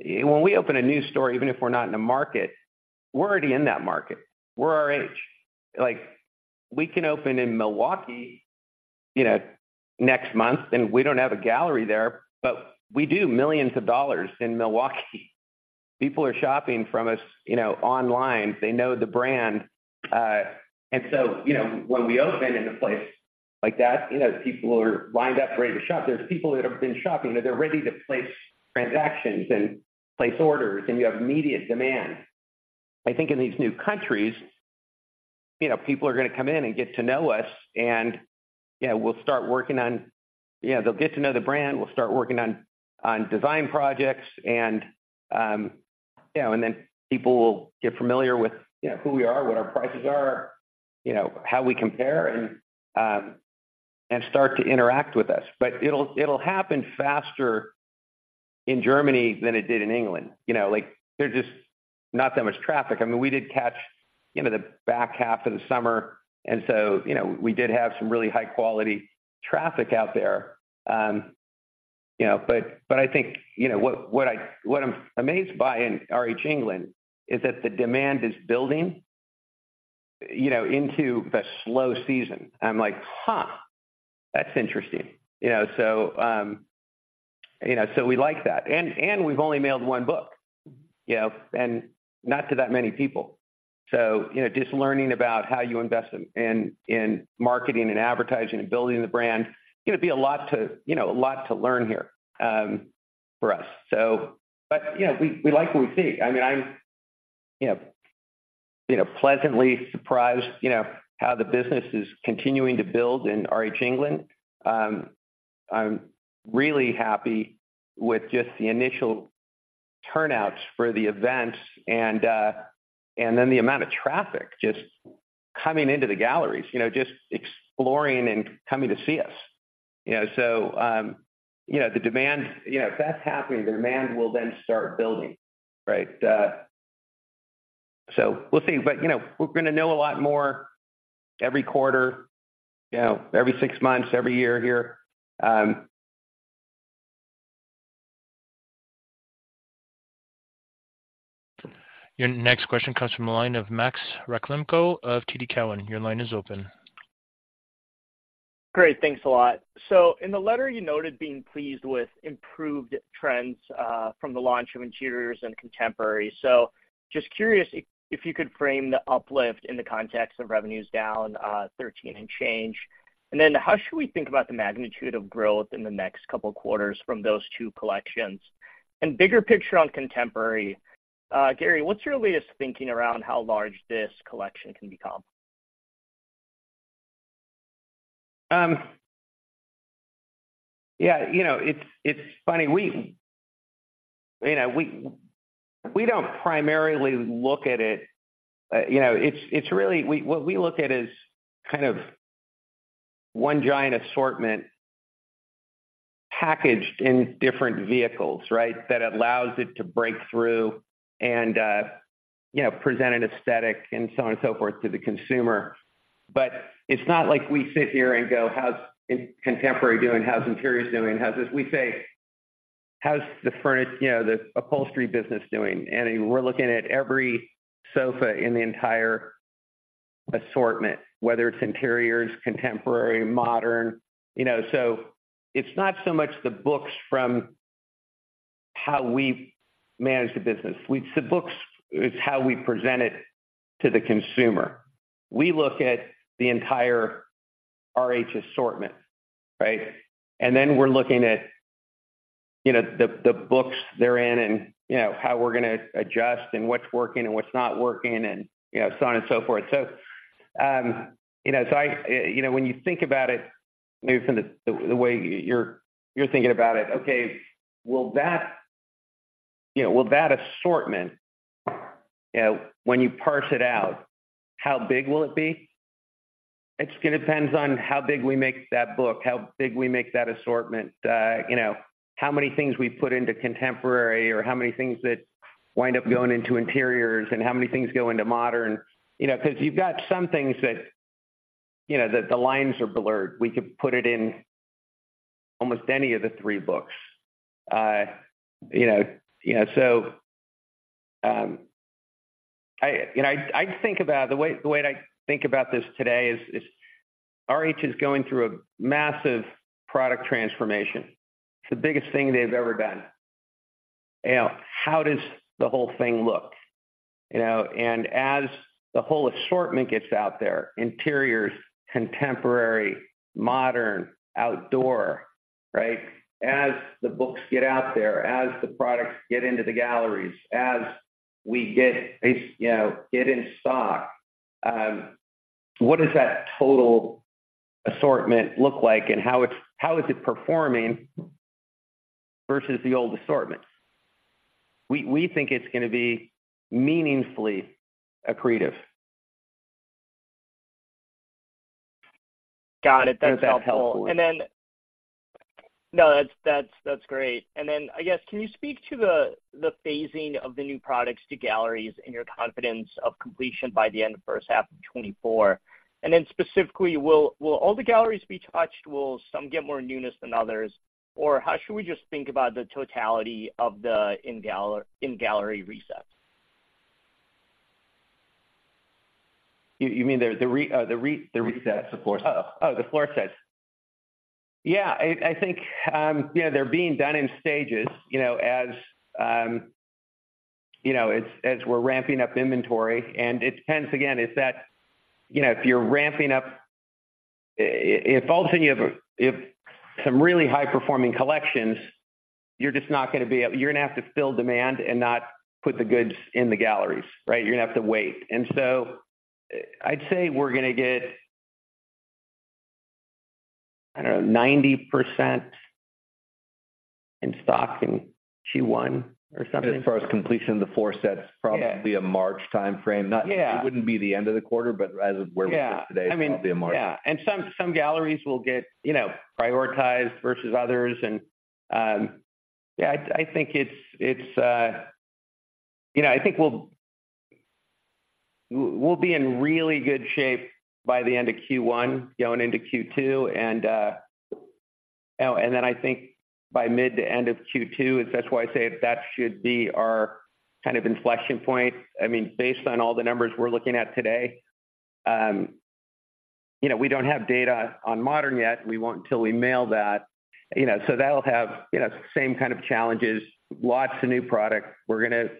when we open a new store, even if we're not in a market, we're already in that market. We're RH. Like, we can open in Milwaukee, you know, next month, and we don't have a gallery there, but we do millions of dollars in Milwaukee. People are shopping from us, you know, online. They know the brand. And so, you know, when we open in a place like that, you know, people are lined up ready to shop. There's people that have been shopping, and they're ready to place transactions and place orders, and you have immediate demand. I think in these new countries, you know, people are gonna come in and get to know us, and, you know, we'll start working on. You know, they'll get to know the brand. We'll start working on design projects, and, you know, and then people will get familiar with, you know, who we are, what our prices are, you know, how we compare, and, and start to interact with us. But it'll happen faster in Germany than it did in England. You know, like, they're just not that much traffic. I mean, we did catch, you know, the back half of the summer, and so, you know, we did have some really high-quality traffic out there. But I think what I'm amazed by in RH England is that the demand is building, you know, into the slow season. I'm like: Huh! That's interesting. You know, so we like that. And we've only mailed one book, you know, and not to that many people. So, you know, just learning about how you invest in marketing and advertising and building the brand, gonna be a lot to learn here, you know, for us. But, you know, we like what we see. I mean, I'm, you know, pleasantly surprised, you know, how the business is continuing to build in RH England. I'm really happy with just the initial turnouts for the events and, and then the amount of traffic just coming into the galleries, you know, just exploring and coming to see us. You know, so, you know, the demand, you know, if that's happening, the demand will then start building, right? So we'll see. But, you know, we're gonna know a lot more every quarter, you know, every six months, every year here. Your next question comes from the line of Max Rakhlenko of TD Cowen. Your line is open. Great, thanks a lot. So in the letter, you noted being pleased with improved trends from the launch of Interiors and Contemporary. So just curious if, if you could frame the uplift in the context of revenues down 13 and change. And then how should we think about the magnitude of growth in the next couple quarters from those two collections? And bigger picture on contemporary, Gary, what's your latest thinking around how large this collection can become? Yeah, you know, it's funny. We don't primarily look at it. You know, it's really what we look at is kind of one giant assortment packaged in different vehicles, right? That allows it to break through and, you know, present an aesthetic and so on and so forth to the consumer. But it's not like we sit here and go: How's Contemporary doing? How's Interiors doing? How's this? We say: How's the furniture, you know, the Upholstery business doing? And we're looking at every sofa in the entire assortment, whether it's Interiors, Contemporary, Modern, you know. So it's not so much the books from how we manage the business. The books is how we present it to the consumer. We look at the entire RH assortment, right? Then we're looking at, you know, the books they're in and, you know, how we're gonna adjust and what's working and what's not working and, you know, so on and so forth. So, you know, so I, you know, when you think about it, maybe from the way you're thinking about it, okay, will that, you know, will that assortment, you know, when you parse it out, how big will it be? It's gonna depends on how big we make that book, how big we make that assortment, you know, how many things we put into Contemporary, or how many things that wind up going into Interiors, and how many things go into Modern. You know, 'cause you've got some things that, you know, the lines are blurred. We could put it in almost any of the three books. You know, you know, so, I, you know, I think about the way, the way I think about this today is RH is going through a massive product transformation. It's the biggest thing they've ever done. You know, how does the whole thing look? You know, and as the whole assortment gets out there, Interiors, Contemporary, Modern, Outdoor, right? As the books get out there, as the products get into the galleries, as we get, you know, get in stock, what does that total assortment look like and how it is performing versus the old assortments? We think it's gonna be meaningfully accretive. Got it. That's helpful. And then- No, that's great. And then, I guess, can you speak to the phasing of the new products to galleries and your confidence of completion by the end of first half of 2024? And then specifically, will all the galleries be touched, will some get more newness than others? Or how should we just think about the totality of the in-gallery resets? You mean the resets, the floor sets. Oh, the floor sets. Yeah, I think, yeah, they're being done in stages, you know, as you know, as, as we're ramping up inventory. And it depends, again, it's that, you know, if you're ramping up... If all of a sudden you have, you have some really high-performing collections, you're just not gonna be able—you're gonna have to fill demand and not put the goods in the galleries, right? You're gonna have to wait. And so I'd say we're gonna get, I don't know, 90% in stock in Q1 or something. As far as completion of the floor sets- Yeah... probably a March timeframe. Yeah. No, it wouldn't be the end of the quarter, but as of where we are today- Yeah It'll be in March. Yeah. And some galleries will get, you know, prioritized versus others. Yeah, I think it's, you know, I think we'll be in really good shape by the end of Q1, going into Q2, and then I think by mid to end of Q2, and that's why I say that should be our kind of inflection point. I mean, based on all the numbers we're looking at today, you know, we don't have data on Modern yet. We won't until we mail that, you know, so that'll have, you know, same kind of challenges, lots of new product. We're gonna, yeah,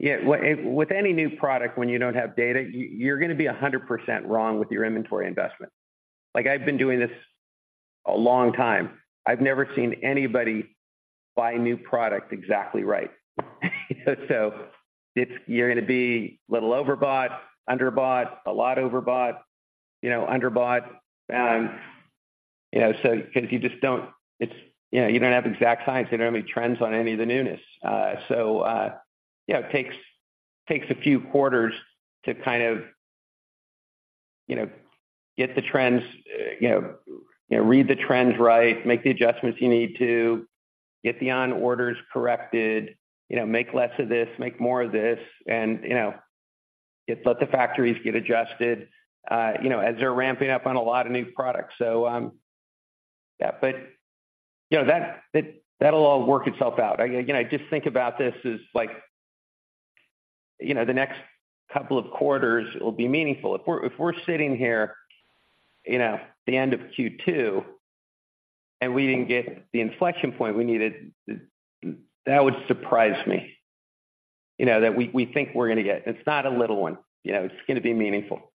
with any new product, when you don't have data, you're gonna be 100% wrong with your inventory investment. Like, I've been doing this a long time. I've never seen anybody buy new product exactly right. So it's you're gonna be a little overbought, underbought, a lot overbought, you know, underbought. You know, so because you just don't, it's, you know, you don't have exact science, you don't have any trends on any of the newness. So, you know, it takes a few quarters to kind of, you know, get the trends, you know, read the trends right, make the adjustments you need to, get the orders corrected, you know, make less of this, make more of this, and, you know, let the factories get adjusted, you know, as they're ramping up on a lot of new products. So, yeah, but, you know, that, that'll all work itself out. Again, I just think about this as, like, you know, the next couple of quarters will be meaningful. If we're, if we're sitting here, you know, the end of Q2, and we didn't get the inflection point we needed, that would surprise me. You know, that we, we think we're gonna get... It's not a little one, you know, it's gonna be meaningful,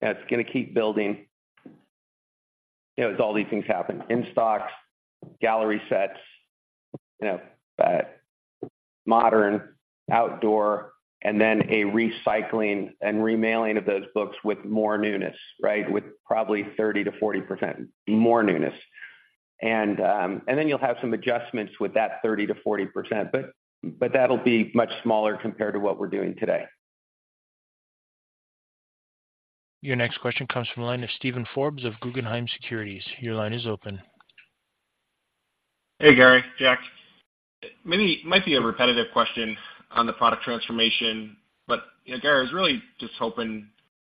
and it's gonna keep building. You know, as all these things happen, in stocks, gallery sets, you know, modern, outdoor, and then a recycling and remailing of those books with more newness, right? With probably 30%-40% more newness. And, and then you'll have some adjustments with that 30%-40%, but, but that'll be much smaller compared to what we're doing today. Your next question comes from the line of Steven Forbes of Guggenheim Securities. Your line is open. Hey, Gary, Jack. Maybe it might be a repetitive question on the product transformation, but you know, Gary, I was really just hoping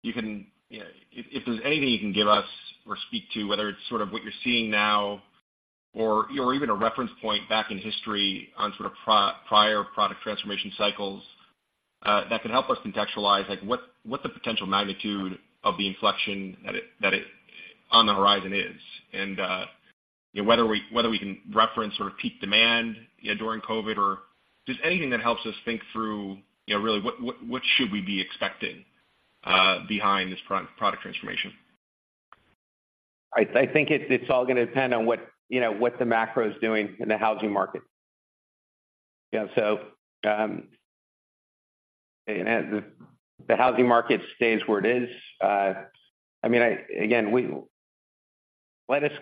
you can, you know, if there's anything you can give us or speak to, whether it's sort of what you're seeing now or even a reference point back in history on sort of prior product transformation cycles, that can help us contextualize, like, what the potential magnitude of the inflection that it's on the horizon is, and whether we can reference or peak demand, you know, during COVID, or just anything that helps us think through, you know, really, what should we be expecting behind this product transformation? I think it's all gonna depend on what, you know, what the macro is doing in the housing market. You know, so, and as the housing market stays where it is, I mean, again, let us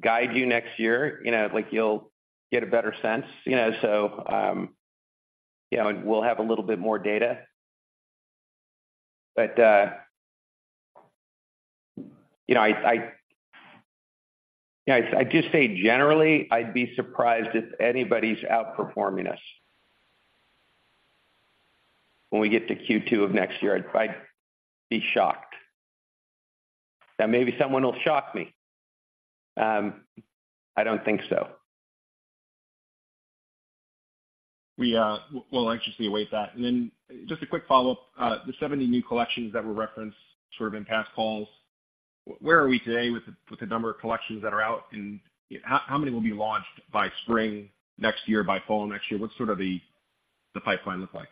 guide you next year, you know, like you'll get a better sense, you know, so, you know, and we'll have a little bit more data. But, you know, yeah, I'd just say generally, I'd be surprised if anybody's outperforming us. When we get to Q2 of next year, I'd be shocked. Now, maybe someone will shock me. I don't think so. We'll anxiously await that. And then just a quick follow-up, the 70 new collections that were referenced sort of in past calls, where are we today with the number of collections that are out, and how many will be launched by spring next year, by fall next year? What sort of the pipeline look like?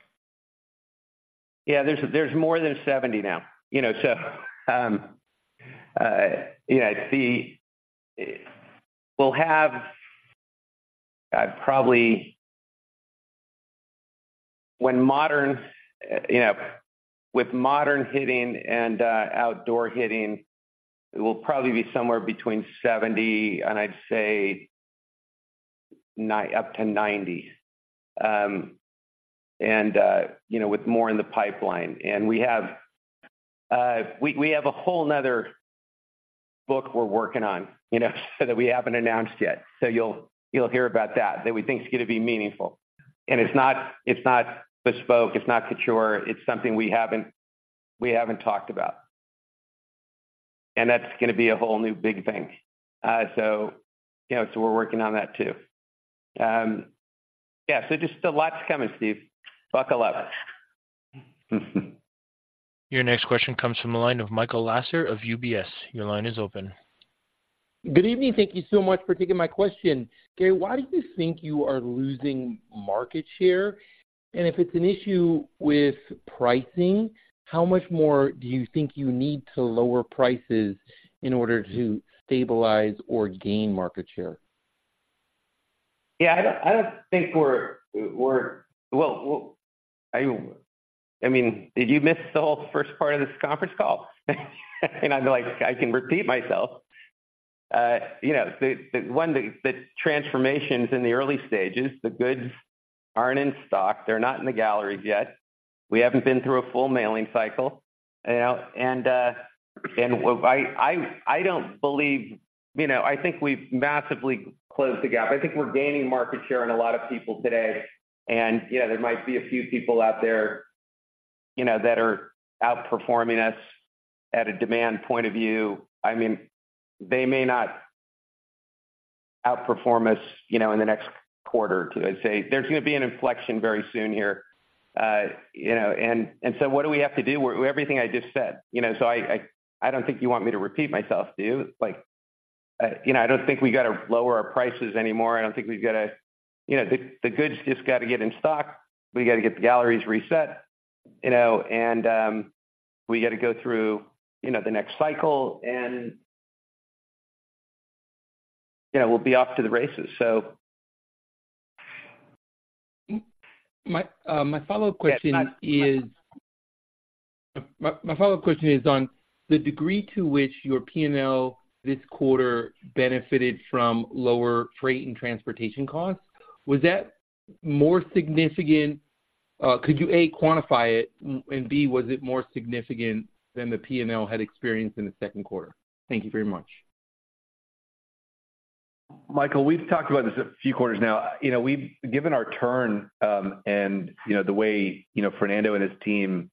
Yeah, there's more than 70 now. You know, so, you know, I see, we'll have, probably, when modern, you know, with modern hitting and, outdoor hitting, it will probably be somewhere between 70 and I'd say ninety—up to 90. And, you know, with more in the pipeline, and we have, we have a whole another book we're working on, you know, so that we haven't announced yet. So you'll hear about that, that we think is gonna be meaningful. And it's not, it's not bespoke, it's not couture. It's something we haven't, we haven't talked about. And that's gonna be a whole new big thing. So, you know, so we're working on that, too. Yeah, so just a lot's coming, Steve. Buckle up. Your next question comes from the line of Michael Lasser of UBS. Your line is open. Good evening. Thank you so much for taking my question. Gary, why do you think you are losing market share? If it's an issue with pricing, how much more do you think you need to lower prices in order to stabilize or gain market share? Yeah, I don't think we're-- well, I mean, did you miss the whole first part of this conference call? And I'd be like, I can repeat myself. You know, the transformation's in the early stages, the goods aren't in stock, they're not in the galleries yet.... We haven't been through a full mailing cycle, you know, and I don't believe-- You know, I think we've massively closed the gap. I think we're gaining market share on a lot of people today, and, you know, there might be a few people out there, you know, that are outperforming us at a demand point of view. I mean, they may not outperform us, you know, in the next quarter. I'd say there's going to be an inflection very soon here. You know, and so what do we have to do? Well, everything I just said, you know. So I don't think you want me to repeat myself, do you? Like, you know, I don't think we got to lower our prices anymore. I don't think we've got to... You know, the goods just got to get in stock. We got to get the galleries reset, you know, and we got to go through, you know, the next cycle and, you know, we'll be off to the races, so. My follow-up question is on the degree to which your P&L this quarter benefited from lower freight and transportation costs. Was that more significant... Could you, A, quantify it? And B, was it more significant than the P&L had experienced in the second quarter? Thank you very much. Michael, we've talked about this a few quarters now. You know, we've given our turn, and, you know, the way, you know, Fernando and his team,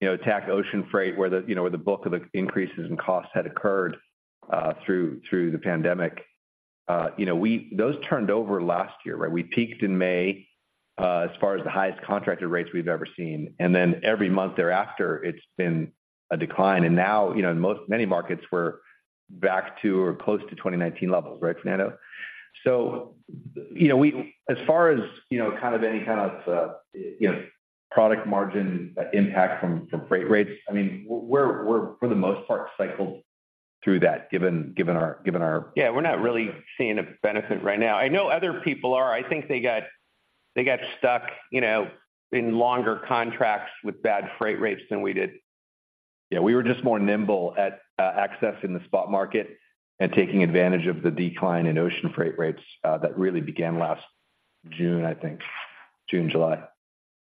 you know, attacked ocean freight, where the, you know, where the bulk of the increases in costs had occurred, through the pandemic. You know, we- those turned over last year, right? We peaked in May, as far as the highest contracted rates we've ever seen, and then every month thereafter, it's been a decline. And now, you know, in many markets, we're back to or close to 2019 levels. Right, Fernando? So, you know, we- as far as, you know, kind of any kind of, you know, product margin impact from freight rates, I mean, we're for the most part, cycled through that, given our, given our- Yeah, we're not really seeing a benefit right now. I know other people are. I think they got stuck, you know, in longer contracts with bad freight rates than we did. Yeah, we were just more nimble at accessing the spot market and taking advantage of the decline in ocean freight rates that really began last June, I think, June, July.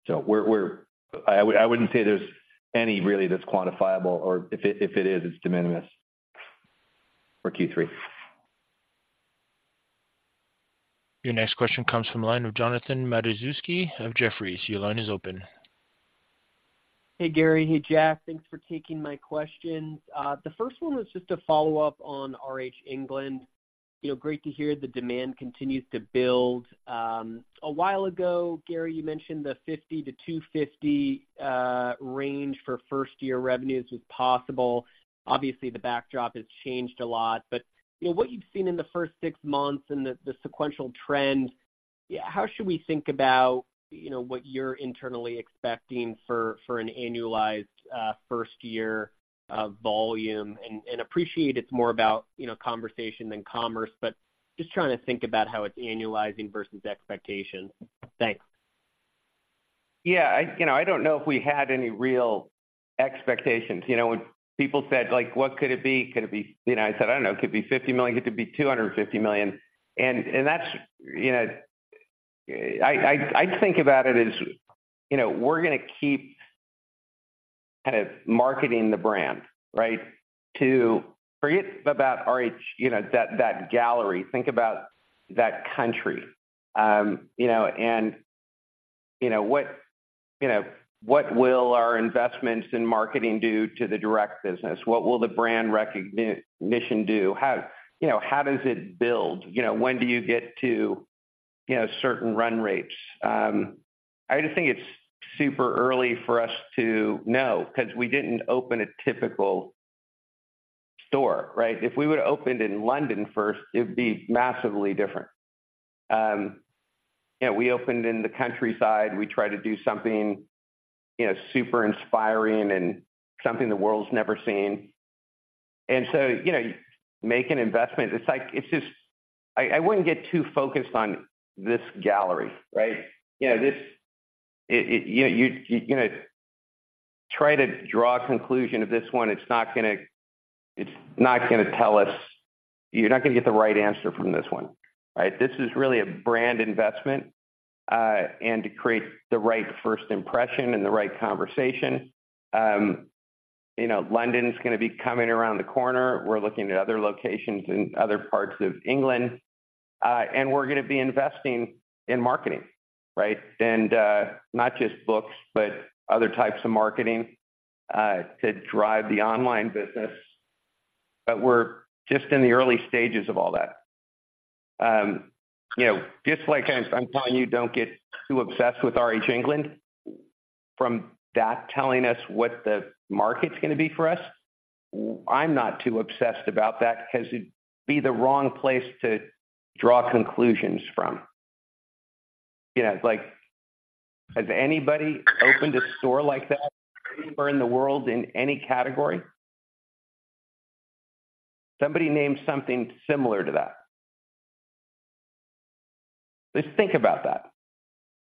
So we're - I wouldn't say there's any really that's quantifiable, or if it is, it's de minimis for Q3. Your next question comes from the line of Jonathan Matuszewski of Jefferies. Your line is open. Hey, Gary. Hey, Jack. Thanks for taking my questions. The first one was just a follow-up on RH England. You know, great to hear the demand continues to build. A while ago, Gary, you mentioned the $50-$250 range for first-year revenues was possible. Obviously, the backdrop has changed a lot, but, you know, what you've seen in the first six months and the sequential trend, how should we think about, you know, what you're internally expecting for an annualized first year of volume? And appreciate it's more about, you know, conversation than commerce, but just trying to think about how it's annualizing versus expectations. Thanks. Yeah, you know, I don't know if we had any real expectations. You know, when people said, like, "What could it be? Could it be..." You know, I said, "I don't know. It could be $50 million, it could be $250 million." And that's, you know. I think about it as, you know, we're gonna keep kind of marketing the brand, right? To forget about RH, you know, that gallery, think about that country. You know, and, you know, what will our investments in marketing do to the direct business? What will the brand recognition do? How does it build? You know, when do you get to certain run rates? I just think it's super early for us to know, because we didn't open a typical store, right? If we would have opened in London first, it would be massively different. You know, we opened in the countryside. We tried to do something, you know, super inspiring and something the world's never seen. And so, you know, make an investment. It's like, it's just... I wouldn't get too focused on this gallery, right? You know, try to draw a conclusion of this one, it's not gonna, it's not gonna tell us... You're not gonna get the right answer from this one, right? This is really a brand investment, and to create the right first impression and the right conversation. You know, London is gonna be coming around the corner. We're looking at other locations in other parts of England, and we're gonna be investing in marketing, right? And not just books, but other types of marketing to drive the online business. But we're just in the early stages of all that. You know, just like I'm telling you, don't get too obsessed with RH England. From that telling us what the market's gonna be for us, I'm not too obsessed about that because it'd be the wrong place to draw conclusions from. You know, like, has anybody opened a store like that anywhere in the world, in any category? Somebody name something similar to that. Just think about that.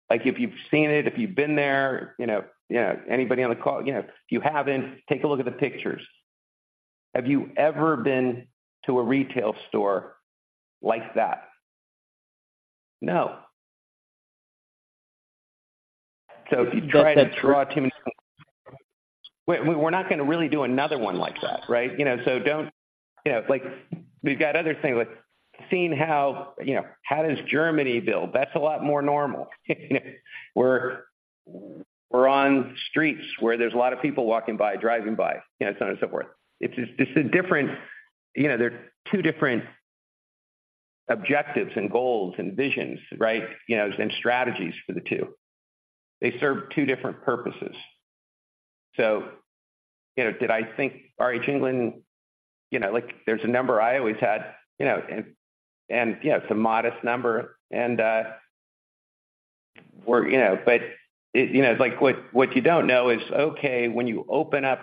Like, if you've seen it, if you've been there, you know, yeah, anybody on the call, you know, if you haven't, take a look at the pictures. Have you ever been to a retail store like that?...No. So if you try to draw too many, we're not gonna really do another one like that, right? You know, so don't, you know, like, we've got other things, like, seeing how, you know, how does Germany build? That's a lot more normal. We're on streets where there's a lot of people walking by, driving by, you know, so on and so forth. It's just a different, you know, there are two different objectives and goals and visions, right? You know, and strategies for the two. They serve two different purposes. So, you know, did I think RH England, you know, like, there's a number I always had, you know, and you know, it's a modest number and we're, you know... But, I, you know, like, what, what you don't know is, okay, when you open up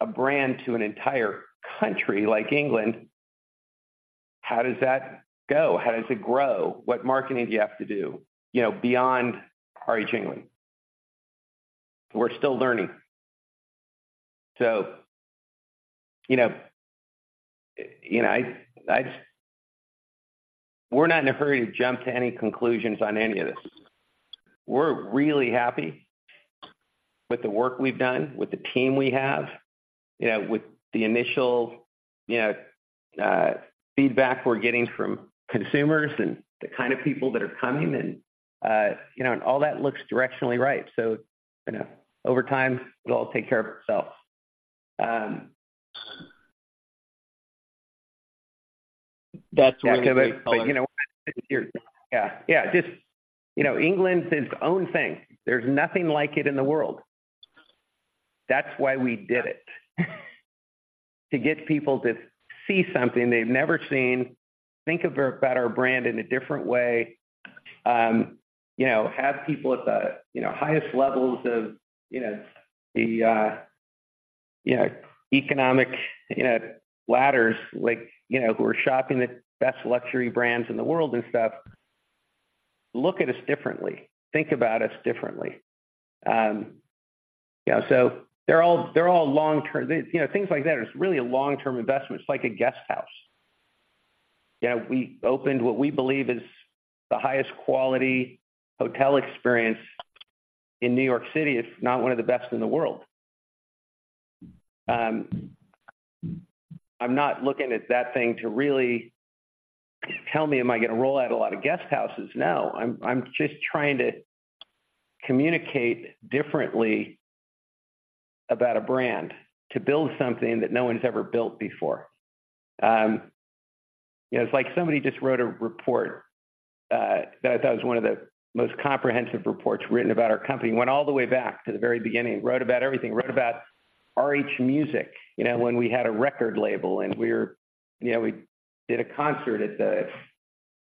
a brand to an entire country like England, how does that go? How does it grow? What marketing do you have to do, you know, beyond RH England? We're still learning. So, you know, you know, we're not in a hurry to jump to any conclusions on any of this. We're really happy with the work we've done, with the team we have, you know, with the initial, you know, feedback we're getting from consumers and the kind of people that are coming, and, you know, and all that looks directionally right. So, you know, over time, it'll all take care of itself. That's really great- But, you know, yeah, yeah. Just, you know, England is its own thing. There's nothing like it in the world. That's why we did it, to get people to see something they've never seen, think of our, about our brand in a different way. You know, have people at the, you know, highest levels of, you know, the, you know, economic, you know, ladders, like, you know, who are shopping the best luxury brands in the world and stuff, look at us differently, think about us differently. You know, so they're all, they're all long-term. You know, things like that is really a long-term investment. It's like a guest house. You know, we opened what we believe is the highest quality hotel experience in New York City, if not one of the best in the world. I'm not looking at that thing to really tell me, am I gonna roll out a lot of guest houses? No, I'm just trying to communicate differently about a brand, to build something that no one's ever built before. You know, it's like somebody just wrote a report that I thought was one of the most comprehensive reports written about our company. Went all the way back to the very beginning, wrote about everything, wrote about RH Music, you know, when we had a record label and we're, you know, we did a concert at the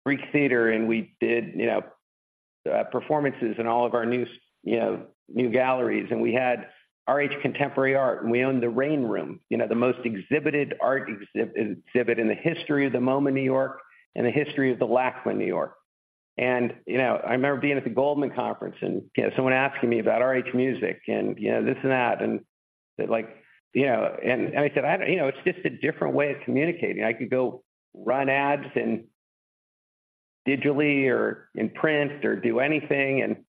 Greek Theatre, and we did, you know, performances in all of our new, you know, new galleries, and we had RH Contemporary Art, and we owned The Rain Room, you know, the most exhibited art exhibit in the history of the MoMA, New York, and the history of the LACMA, New York. You know, I remember being at the Goldman conference, and, you know, someone asking me about RH Music and, you know, this and that, and like, you know, and I said, "I don't..." You know, it's just a different way of communicating. I could go run ads digitally or in print or do anything and, you know,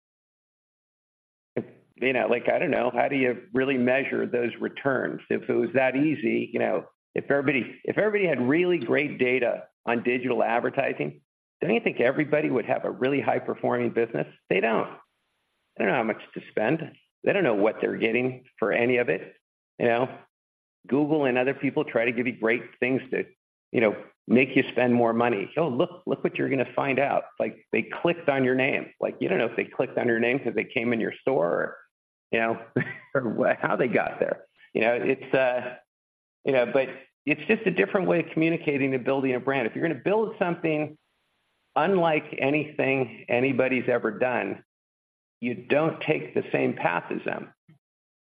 like, I don't know, how do you really measure those returns? If it was that easy, you know, if everybody, if everybody had really great data on digital advertising, don't you think everybody would have a really high-performing business? They don't. They don't know how much to spend. They don't know what they're getting for any of it, you know. Google and other people try to give you great things to, you know, make you spend more money. "Oh, look, look what you're gonna find out, like, they clicked on your name." Like, you don't know if they clicked on your name because they came in your store or, you know, or how they got there. You know, it's, you know, but it's just a different way of communicating and building a brand. If you're gonna build something unlike anything anybody's ever done, you don't take the same path as them.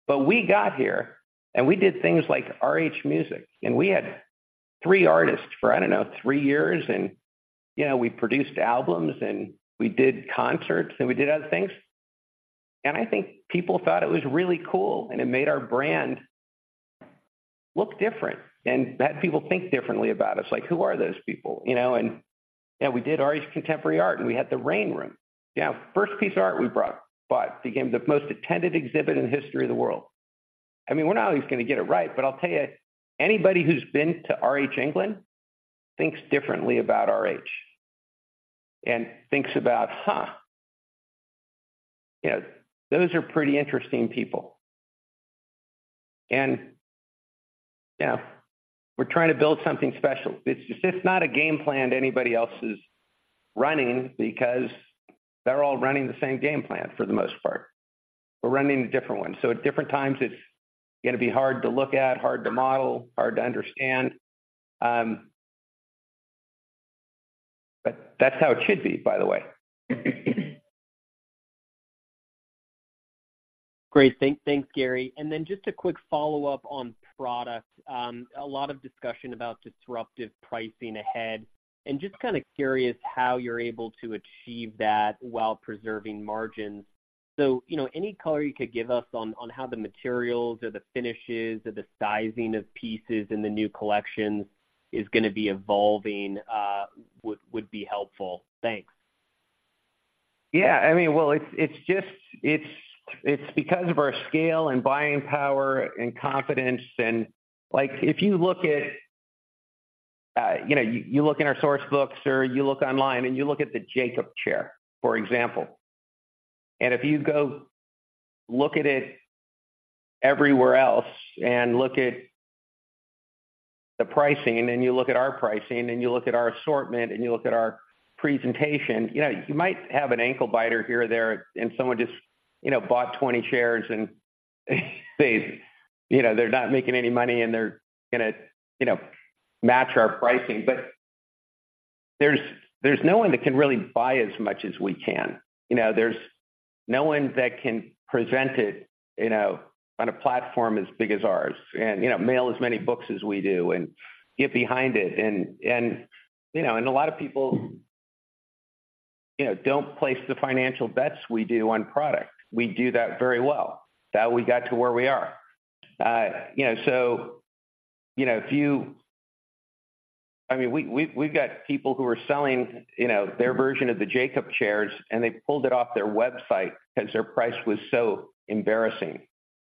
But we got here, and we did things like RH Music, and we had 3 artists for, I don't know, 3 years, and, you know, we produced albums, and we did concerts, and we did other things. And I think people thought it was really cool, and it made our brand look different, and had people think differently about us. Like, who are those people, you know? And, you know, we did RH Contemporary Art, and we had The Rain Room. You know, first piece of art we brought, bought, became the most attended exhibit in the history of the world. I mean, we're not always gonna get it right, but I'll tell you, anybody who's been to RH England thinks differently about RH and thinks about, "Huh, you know, those are pretty interesting people." And, you know, we're trying to build something special. It's, it's not a game plan anybody else is running because they're all running the same game plan for the most part. We're running a different one. So at different times, it's gonna be hard to look at, hard to model, hard to understand. But that's how it should be, by the way. Great. Thanks, Gary. And then just a quick follow-up on product. A lot of discussion about disruptive pricing ahead, and just kind of curious how you're able to achieve that while preserving margins? So, you know, any color you could give us on how the materials or the finishes or the sizing of pieces in the new collections is going to be evolving would be helpful. Thanks. Yeah, I mean, well, it's, it's just- it's because of our scale and buying power and confidence and like, if you look at, you know, you look in our Source Books or you look online and you look at the Jakob chair, for example, and if you go look at it everywhere else and look at the pricing, and then you look at our pricing, and you look at our assortment, and you look at our presentation, you know, you might have an ankle biter here or there, and someone just, you know, bought 20 chairs, and they, you know, they're not making any money, and they're gonna, you know, match our pricing. But there's, there's no one that can really buy as much as we can. You know, there's no one that can present it, you know, on a platform as big as ours and, you know, mail as many books as we do and get behind it. And, and, you know, and a lot of people, you know, don't place the financial bets we do on product. We do that very well. That we got to where we are. So, you know, if you-- I mean, we, we've, we've got people who are selling, you know, their version of the Jakob chairs, and they pulled it off their website because their price was so embarrassing,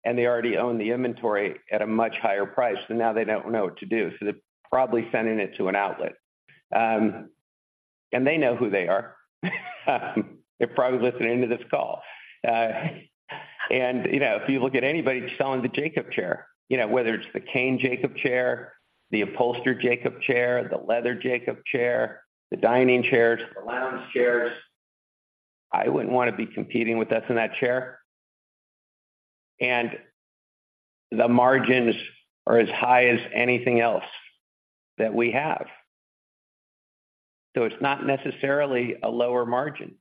and they already own the inventory at a much higher price, and now they don't know what to do, so they're probably sending it to an outlet. And they know who they are. They're probably listening to this call. And, you know, if you look at anybody selling the Jakob chair, you know, whether it's the Cane Jakob chair, the Upholstered Jakob chair, the Leather Jakob chair, the dining chairs, the lounge chairs, I wouldn't want to be competing with us in that chair. And the margins are as high as anything else that we have. So it's not necessarily a lower margin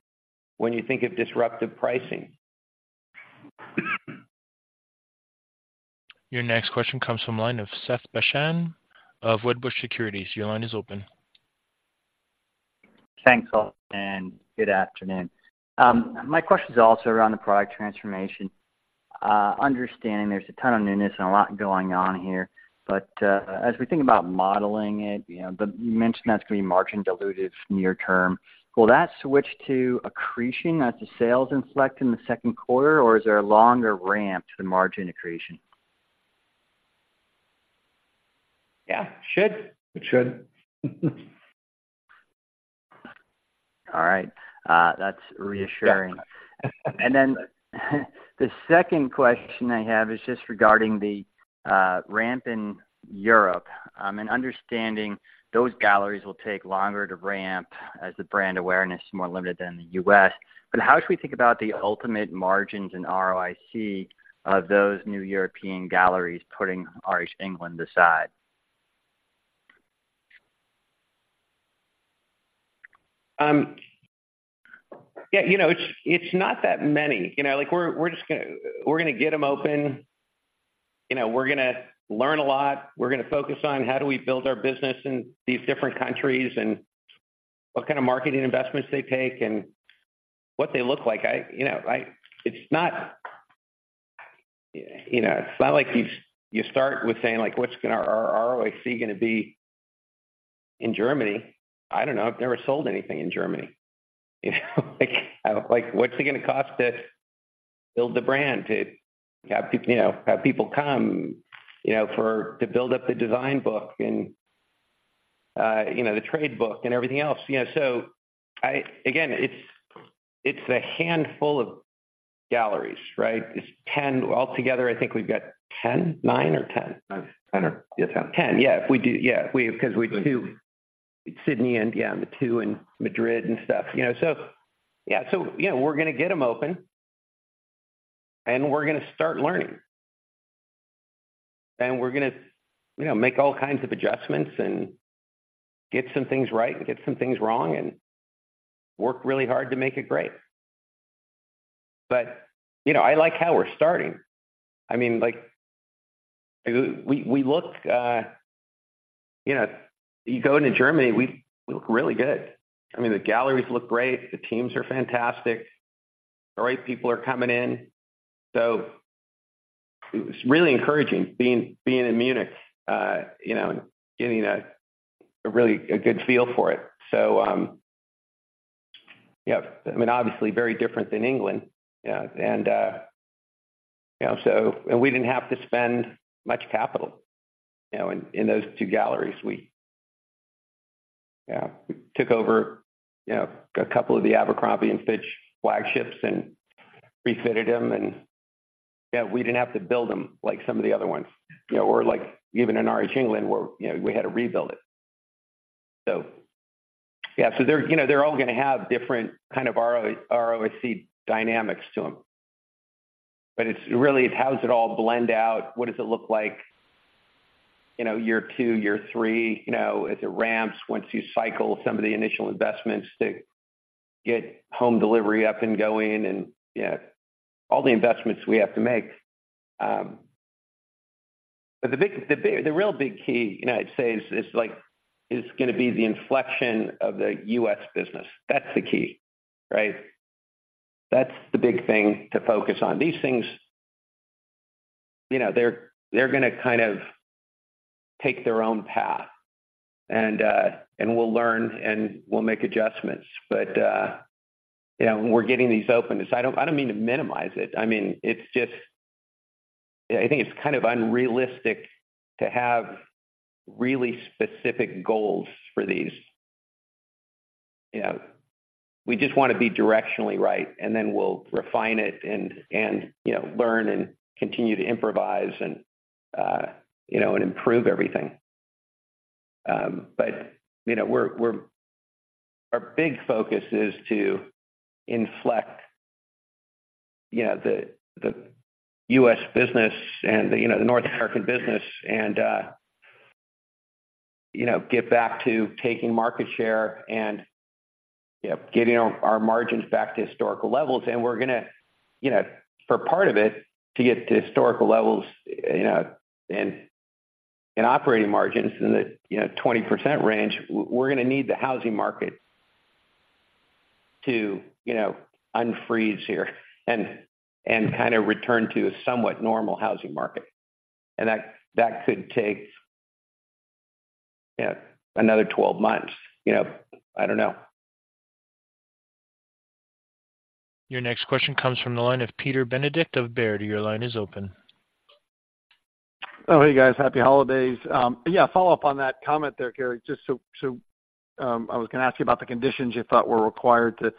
when you think of disruptive pricing. Your next question comes from the line of Seth Basham of Wedbush Securities. Your line is open. Thanks, and good afternoon. My question is also around the product transformation. Understanding there's a ton of newness and a lot going on here, but as we think about modeling it, you know, the mention that's going to be margin dilutive near term, will that switch to accretion as the sales inflect in the second quarter, or is there a longer ramp to the margin accretion? Yeah. Should. It should. All right, that's reassuring. And then, the second question I have is just regarding the ramp in Europe. And understanding those galleries will take longer to ramp as the brand awareness is more limited than the U.S. But how should we think about the ultimate margins and ROIC of those new European galleries, putting RH England aside? Yeah, you know, it's not that many. You know, like we're just gonna get them open, you know, we're gonna learn a lot. We're gonna focus on how do we build our business in these different countries and what kind of marketing investments they take and what they look like. You know, it's not like you start with saying, like, "What's our ROIC gonna be in Germany?" I don't know. I've never sold anything in Germany. You know, like, what's it gonna cost to build the brand, to have people come, you know, to build up the design book and the trade book and everything else? You know, so again, it's a handful of galleries, right? It's 10. Altogether, I think we've got 10, 9 or 10? 10. Yeah, 10. 10. Yeah, we do. Yeah, because we've two—Sydney and, yeah, the two in Madrid and stuff, you know. So, yeah. So, you know, we're gonna get them open, and we're gonna start learning. And we're gonna, you know, make all kinds of adjustments and get some things right and get some things wrong and work really hard to make it great. But, you know, I like how we're starting. I mean, like, we look, you know, you go into Germany, we look really good. I mean, the galleries look great, the teams are fantastic, the right people are coming in. So it's really encouraging being in Munich, you know, getting a really good feel for it. So, yeah, I mean, obviously very different than England, and, you know, so... We didn't have to spend much capital, you know, in, in those two galleries. We, yeah, took over, you know, a couple of the Abercrombie & Fitch flagships and refitted them, and, yeah, we didn't have to build them like some of the other ones. You know, or like even in RH England, where, you know, we had to rebuild it. So, yeah, so they're, you know, they're all gonna have different kind of ROIC dynamics to them, but it's really, how does it all blend out? What does it look like, you know, year two, year three, you know, as it ramps, once you cycle some of the initial investments to get home delivery up and going and, yeah, all the investments we have to make... But the big, the big, the real big key, you know, I'd say is, is like, is gonna be the inflection of the U.S. business. That's the key, right? That's the big thing to focus on. These things, you know, they're, they're gonna kind of take their own path, and we'll learn, and we'll make adjustments. But you know, we're getting these open. So I don't, I don't mean to minimize it. I mean, it's just... I think it's kind of unrealistic to have really specific goals for these. You know, we just want to be directionally right, and then we'll refine it and, and, you know, learn and continue to improvise and, you know, and improve everything. But, you know, we're our big focus is to inflect, you know, the U.S. business and, you know, the North American business and, you know, get back to taking market share and, you know, getting our margins back to historical levels. And we're gonna, you know, for part of it, to get to historical levels, you know, and operating margins in the 20% range, we're gonna need the housing market to, you know, unfreeze here and kind of return to a somewhat normal housing market. And that could take another 12 months, you know? I don't know. Your next question comes from the line of Peter Benedict of Baird. Your line is open. Oh, hey, guys, happy holidays. Yeah, follow up on that comment there, Gary. Just so, so, I was gonna ask you about the conditions you thought were required to,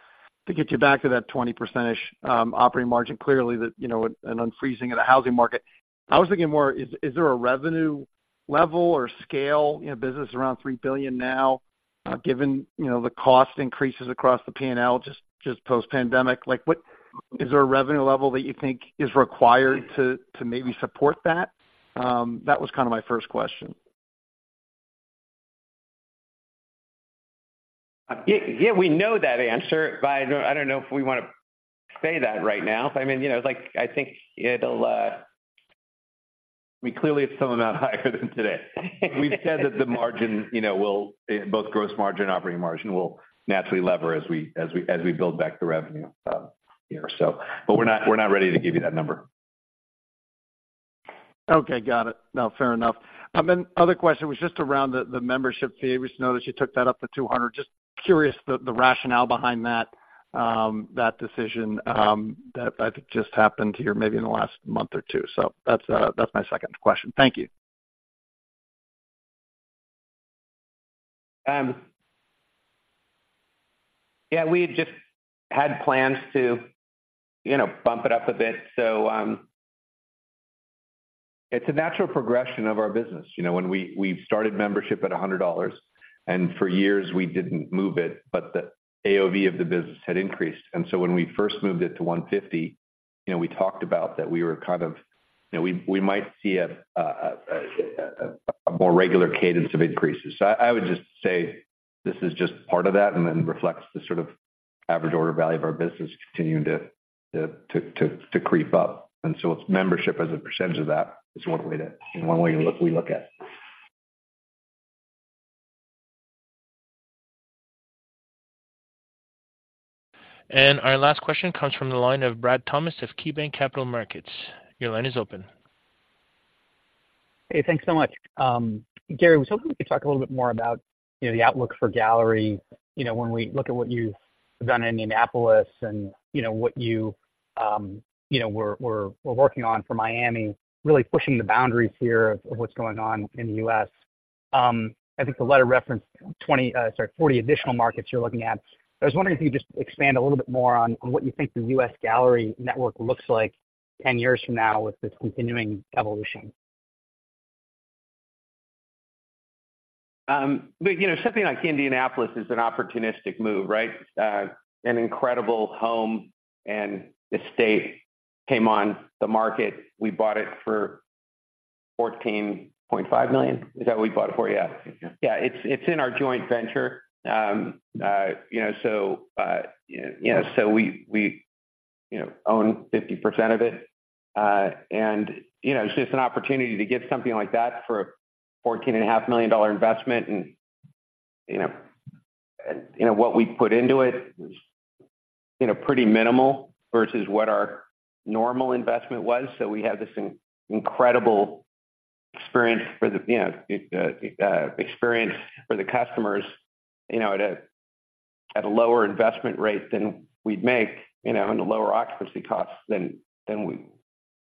to get you back to that 20% operating margin. Clearly, that, you know, an unfreezing of the housing market. I was thinking more, is, is there a revenue level or scale, you know, business around $3 billion now, given, you know, the cost increases across the P&L, just, just post-pandemic? Like, what- is there a revenue level that you think is required to, to maybe support that? That was kind of my first question. Yeah, yeah, we know that answer, but I don't, I don't know if we wanna say that right now. I mean, you know, like, I think it'll We clearly have some amount higher than today. We've said that the margin, you know, will... Both gross margin and operating margin will naturally lever as we build back the revenue, you know, so... But we're not ready to give you that number. Okay, got it. No, fair enough. Then other question was just around the membership fee. We just noticed you took that up to $200. Just curious, the rationale behind that decision, that I think just happened here maybe in the last month or two. So that's my second question. Thank you. Yeah, we just had plans to, you know, bump it up a bit. So, it's a natural progression of our business. You know, when we started membership at $100, and for years we didn't move it, but the AOV of the business had increased. And so when we first moved it to $150, you know, we talked about that we were kind of, you know, we might see a more regular cadence of increases. So I would just say this is just part of that and then reflects the sort of average order value of our business continuing to creep up. And so it's membership as a percentage of that is one way to look at. We look at. Our last question comes from the line of Brad Thomas of KeyBanc Capital Markets. Your line is open. Hey, thanks so much. Gary, I was hoping we could talk a little bit more about, you know, the outlook for gallery. You know, when we look at what you've done in Indianapolis and, you know, what you were working on for Miami, really pushing the boundaries here of what's going on in the U.S. I think the letter referenced 20, sorry, 40 additional markets you're looking at. I was wondering if you could just expand a little bit more on what you think the U.S. gallery network looks like 10 years from now with this continuing evolution. But, you know, something like Indianapolis is an opportunistic move, right? An incredible home and estate came on the market. We bought it for $14.5 million. Is that what we bought it for? Yeah. Yeah. Yeah, it's in our joint venture. You know, so we own 50% of it. And, you know, it's just an opportunity to get something like that for a $14.5 million investment. And, you know, what we put into it was, you know, pretty minimal versus what our normal investment was. So we have this incredible experience for the customers, you know, at a lower investment rate than we'd make, you know, and a lower occupancy cost than we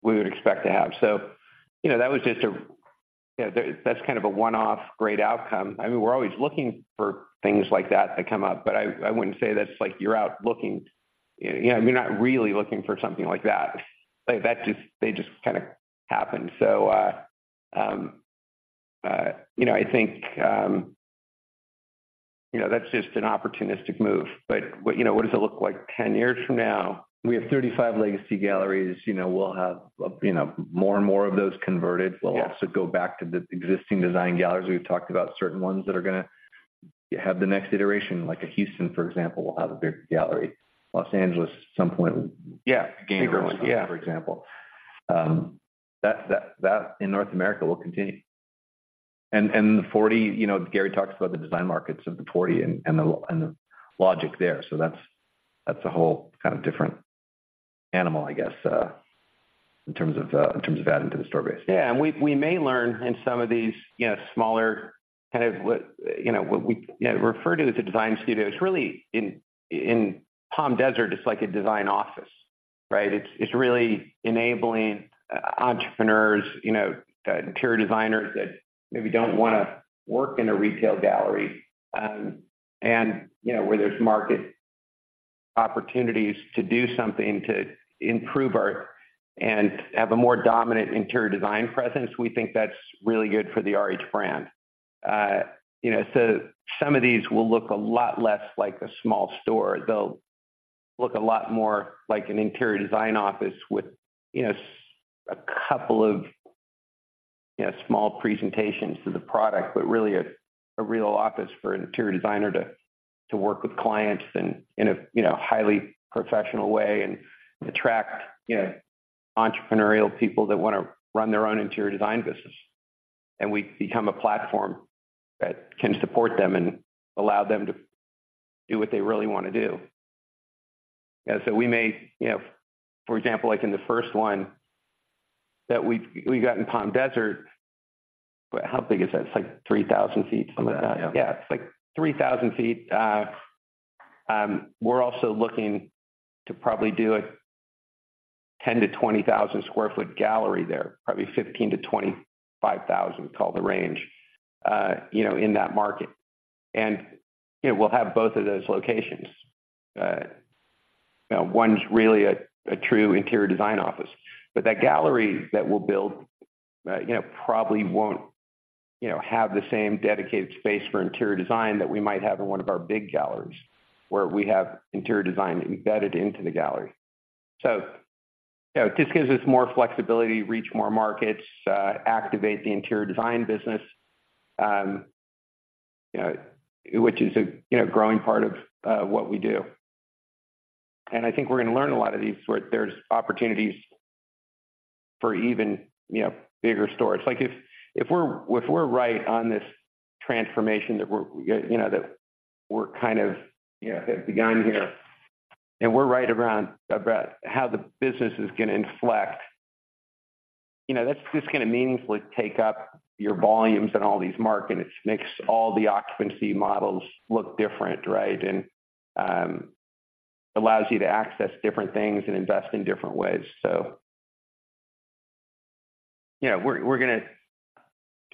would expect to have. So, you know, that was just a, you know, that's kind of a one-off great outcome. I mean, we're always looking for things like that to come up, but I wouldn't say that's like you're out looking. You know, you're not really looking for something like that. Like, they just kind of happen. So, you know, I think, you know, that's just an opportunistic move. But what, you know, what does it look like 10 years from now? We have 35 legacy galleries. You know, we'll have, you know, more and more of those converted. Yeah. We'll also go back to the existing design galleries. We've talked about certain ones that are gonna... You have the next iteration, like a Houston, for example, will have a big gallery. Los Angeles, at some point- Yeah. Again, for example. That in North America will continue. And the 40, you know, Gary talks about the design markets of the 40 and the logic there. So that's a whole kind of different animal, I guess, in terms of adding to the store base. Yeah, and we may learn in some of these, you know, smaller kind of what we, you know, refer to as the design studios. Really, in Palm Desert, it's like a design office, right? It's really enabling entrepreneurs, you know, interior designers that maybe don't wanna work in a retail gallery. And, you know, where there's market opportunities to do something to improve our... and have a more dominant interior design presence, we think that's really good for the RH brand. You know, so some of these will look a lot less like a small store. They'll look a lot more like an interior design office with, you know, a couple of, you know, small presentations to the product, but really a real office for an interior designer to work with clients in a, you know, highly professional way and attract, you know, entrepreneurial people that wanna run their own interior design business. We become a platform that can support them and allow them to do what they really want to do. Yeah, so we may, you know, for example, like in the first one that we've got in Palm Desert, how big is that? It's, like, 3,000 sq ft, something like that. Yeah. Yeah, it's, like, 3,000 feet. We're also looking to probably do a 10-20,000 sq ft gallery there, probably 15-25,000, call the range, you know, in that market. And, you know, we'll have both of those locations. One's really a true interior design office, but that gallery that we'll build, you know, probably won't have the same dedicated space for interior design that we might have in one of our big galleries, where we have interior design embedded into the gallery. So, you know, just gives us more flexibility, reach more markets, activate the interior design business, which is a growing part of what we do. And I think we're gonna learn a lot of these, where there's opportunities for even bigger stores. Like, if we're right on this transformation, that we're, you know, kind of, you know, have begun here, and we're right around about how the business is gonna inflect, you know, that's just gonna meaningfully take up your volumes in all these markets, makes all the occupancy models look different, right? And allows you to access different things and invest in different ways. So, you know, we're gonna...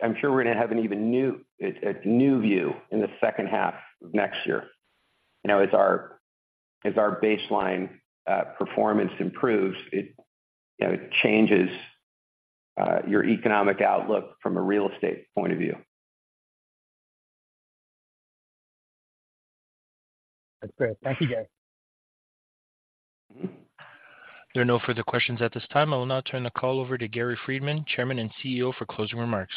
I'm sure we're gonna have an even new, a new view in the second half of next year. You know, as our baseline performance improves, it, you know, it changes your economic outlook from a real estate point of view. That's great. Thank you, Gary. There are no further questions at this time. I will now turn the call over to Gary Friedman, Chairman and CEO, for closing remarks.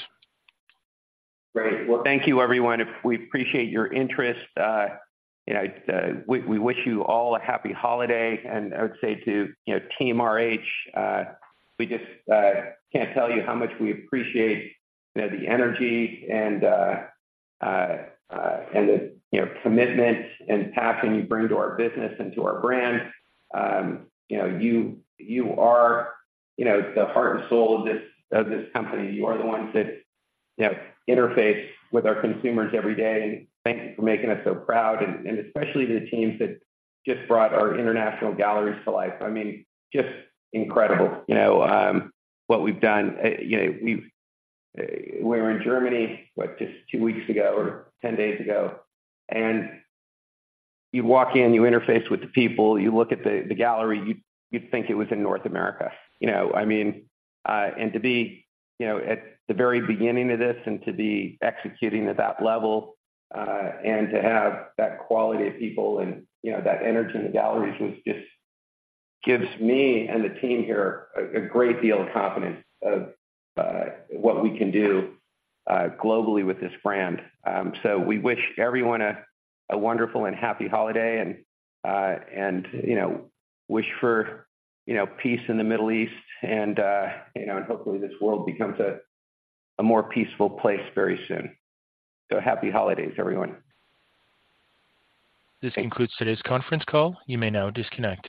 Great. Well, thank you everyone. We appreciate your interest, you know, we wish you all a happy holiday, and I would say to, you know, Team RH, we just can't tell you how much we appreciate, you know, the energy and, and the, you know, commitment and passion you bring to our business and to our brand. You know, you, you are, you know, the heart and soul of this, of this company. You are the ones that, you know, interface with our consumers every day, and thank you for making us so proud, and, and especially the teams that just brought our international galleries to life. I mean, just incredible. You know, what we've done, you know, we were in Germany, what, just 2 weeks ago or 10 days ago, and you walk in, you interface with the people, you look at the gallery, you'd think it was in North America. You know, I mean, and to be, you know, at the very beginning of this and to be executing at that level, and to have that quality of people and, you know, that energy in the galleries was just... Gives me and the team here a great deal of confidence of what we can do globally with this brand. So we wish everyone a wonderful and happy holiday and, you know, wish for, you know, peace in the Middle East and, you know, and hopefully this world becomes a more peaceful place very soon. So happy holidays, everyone. This concludes today's conference call. You may now disconnect.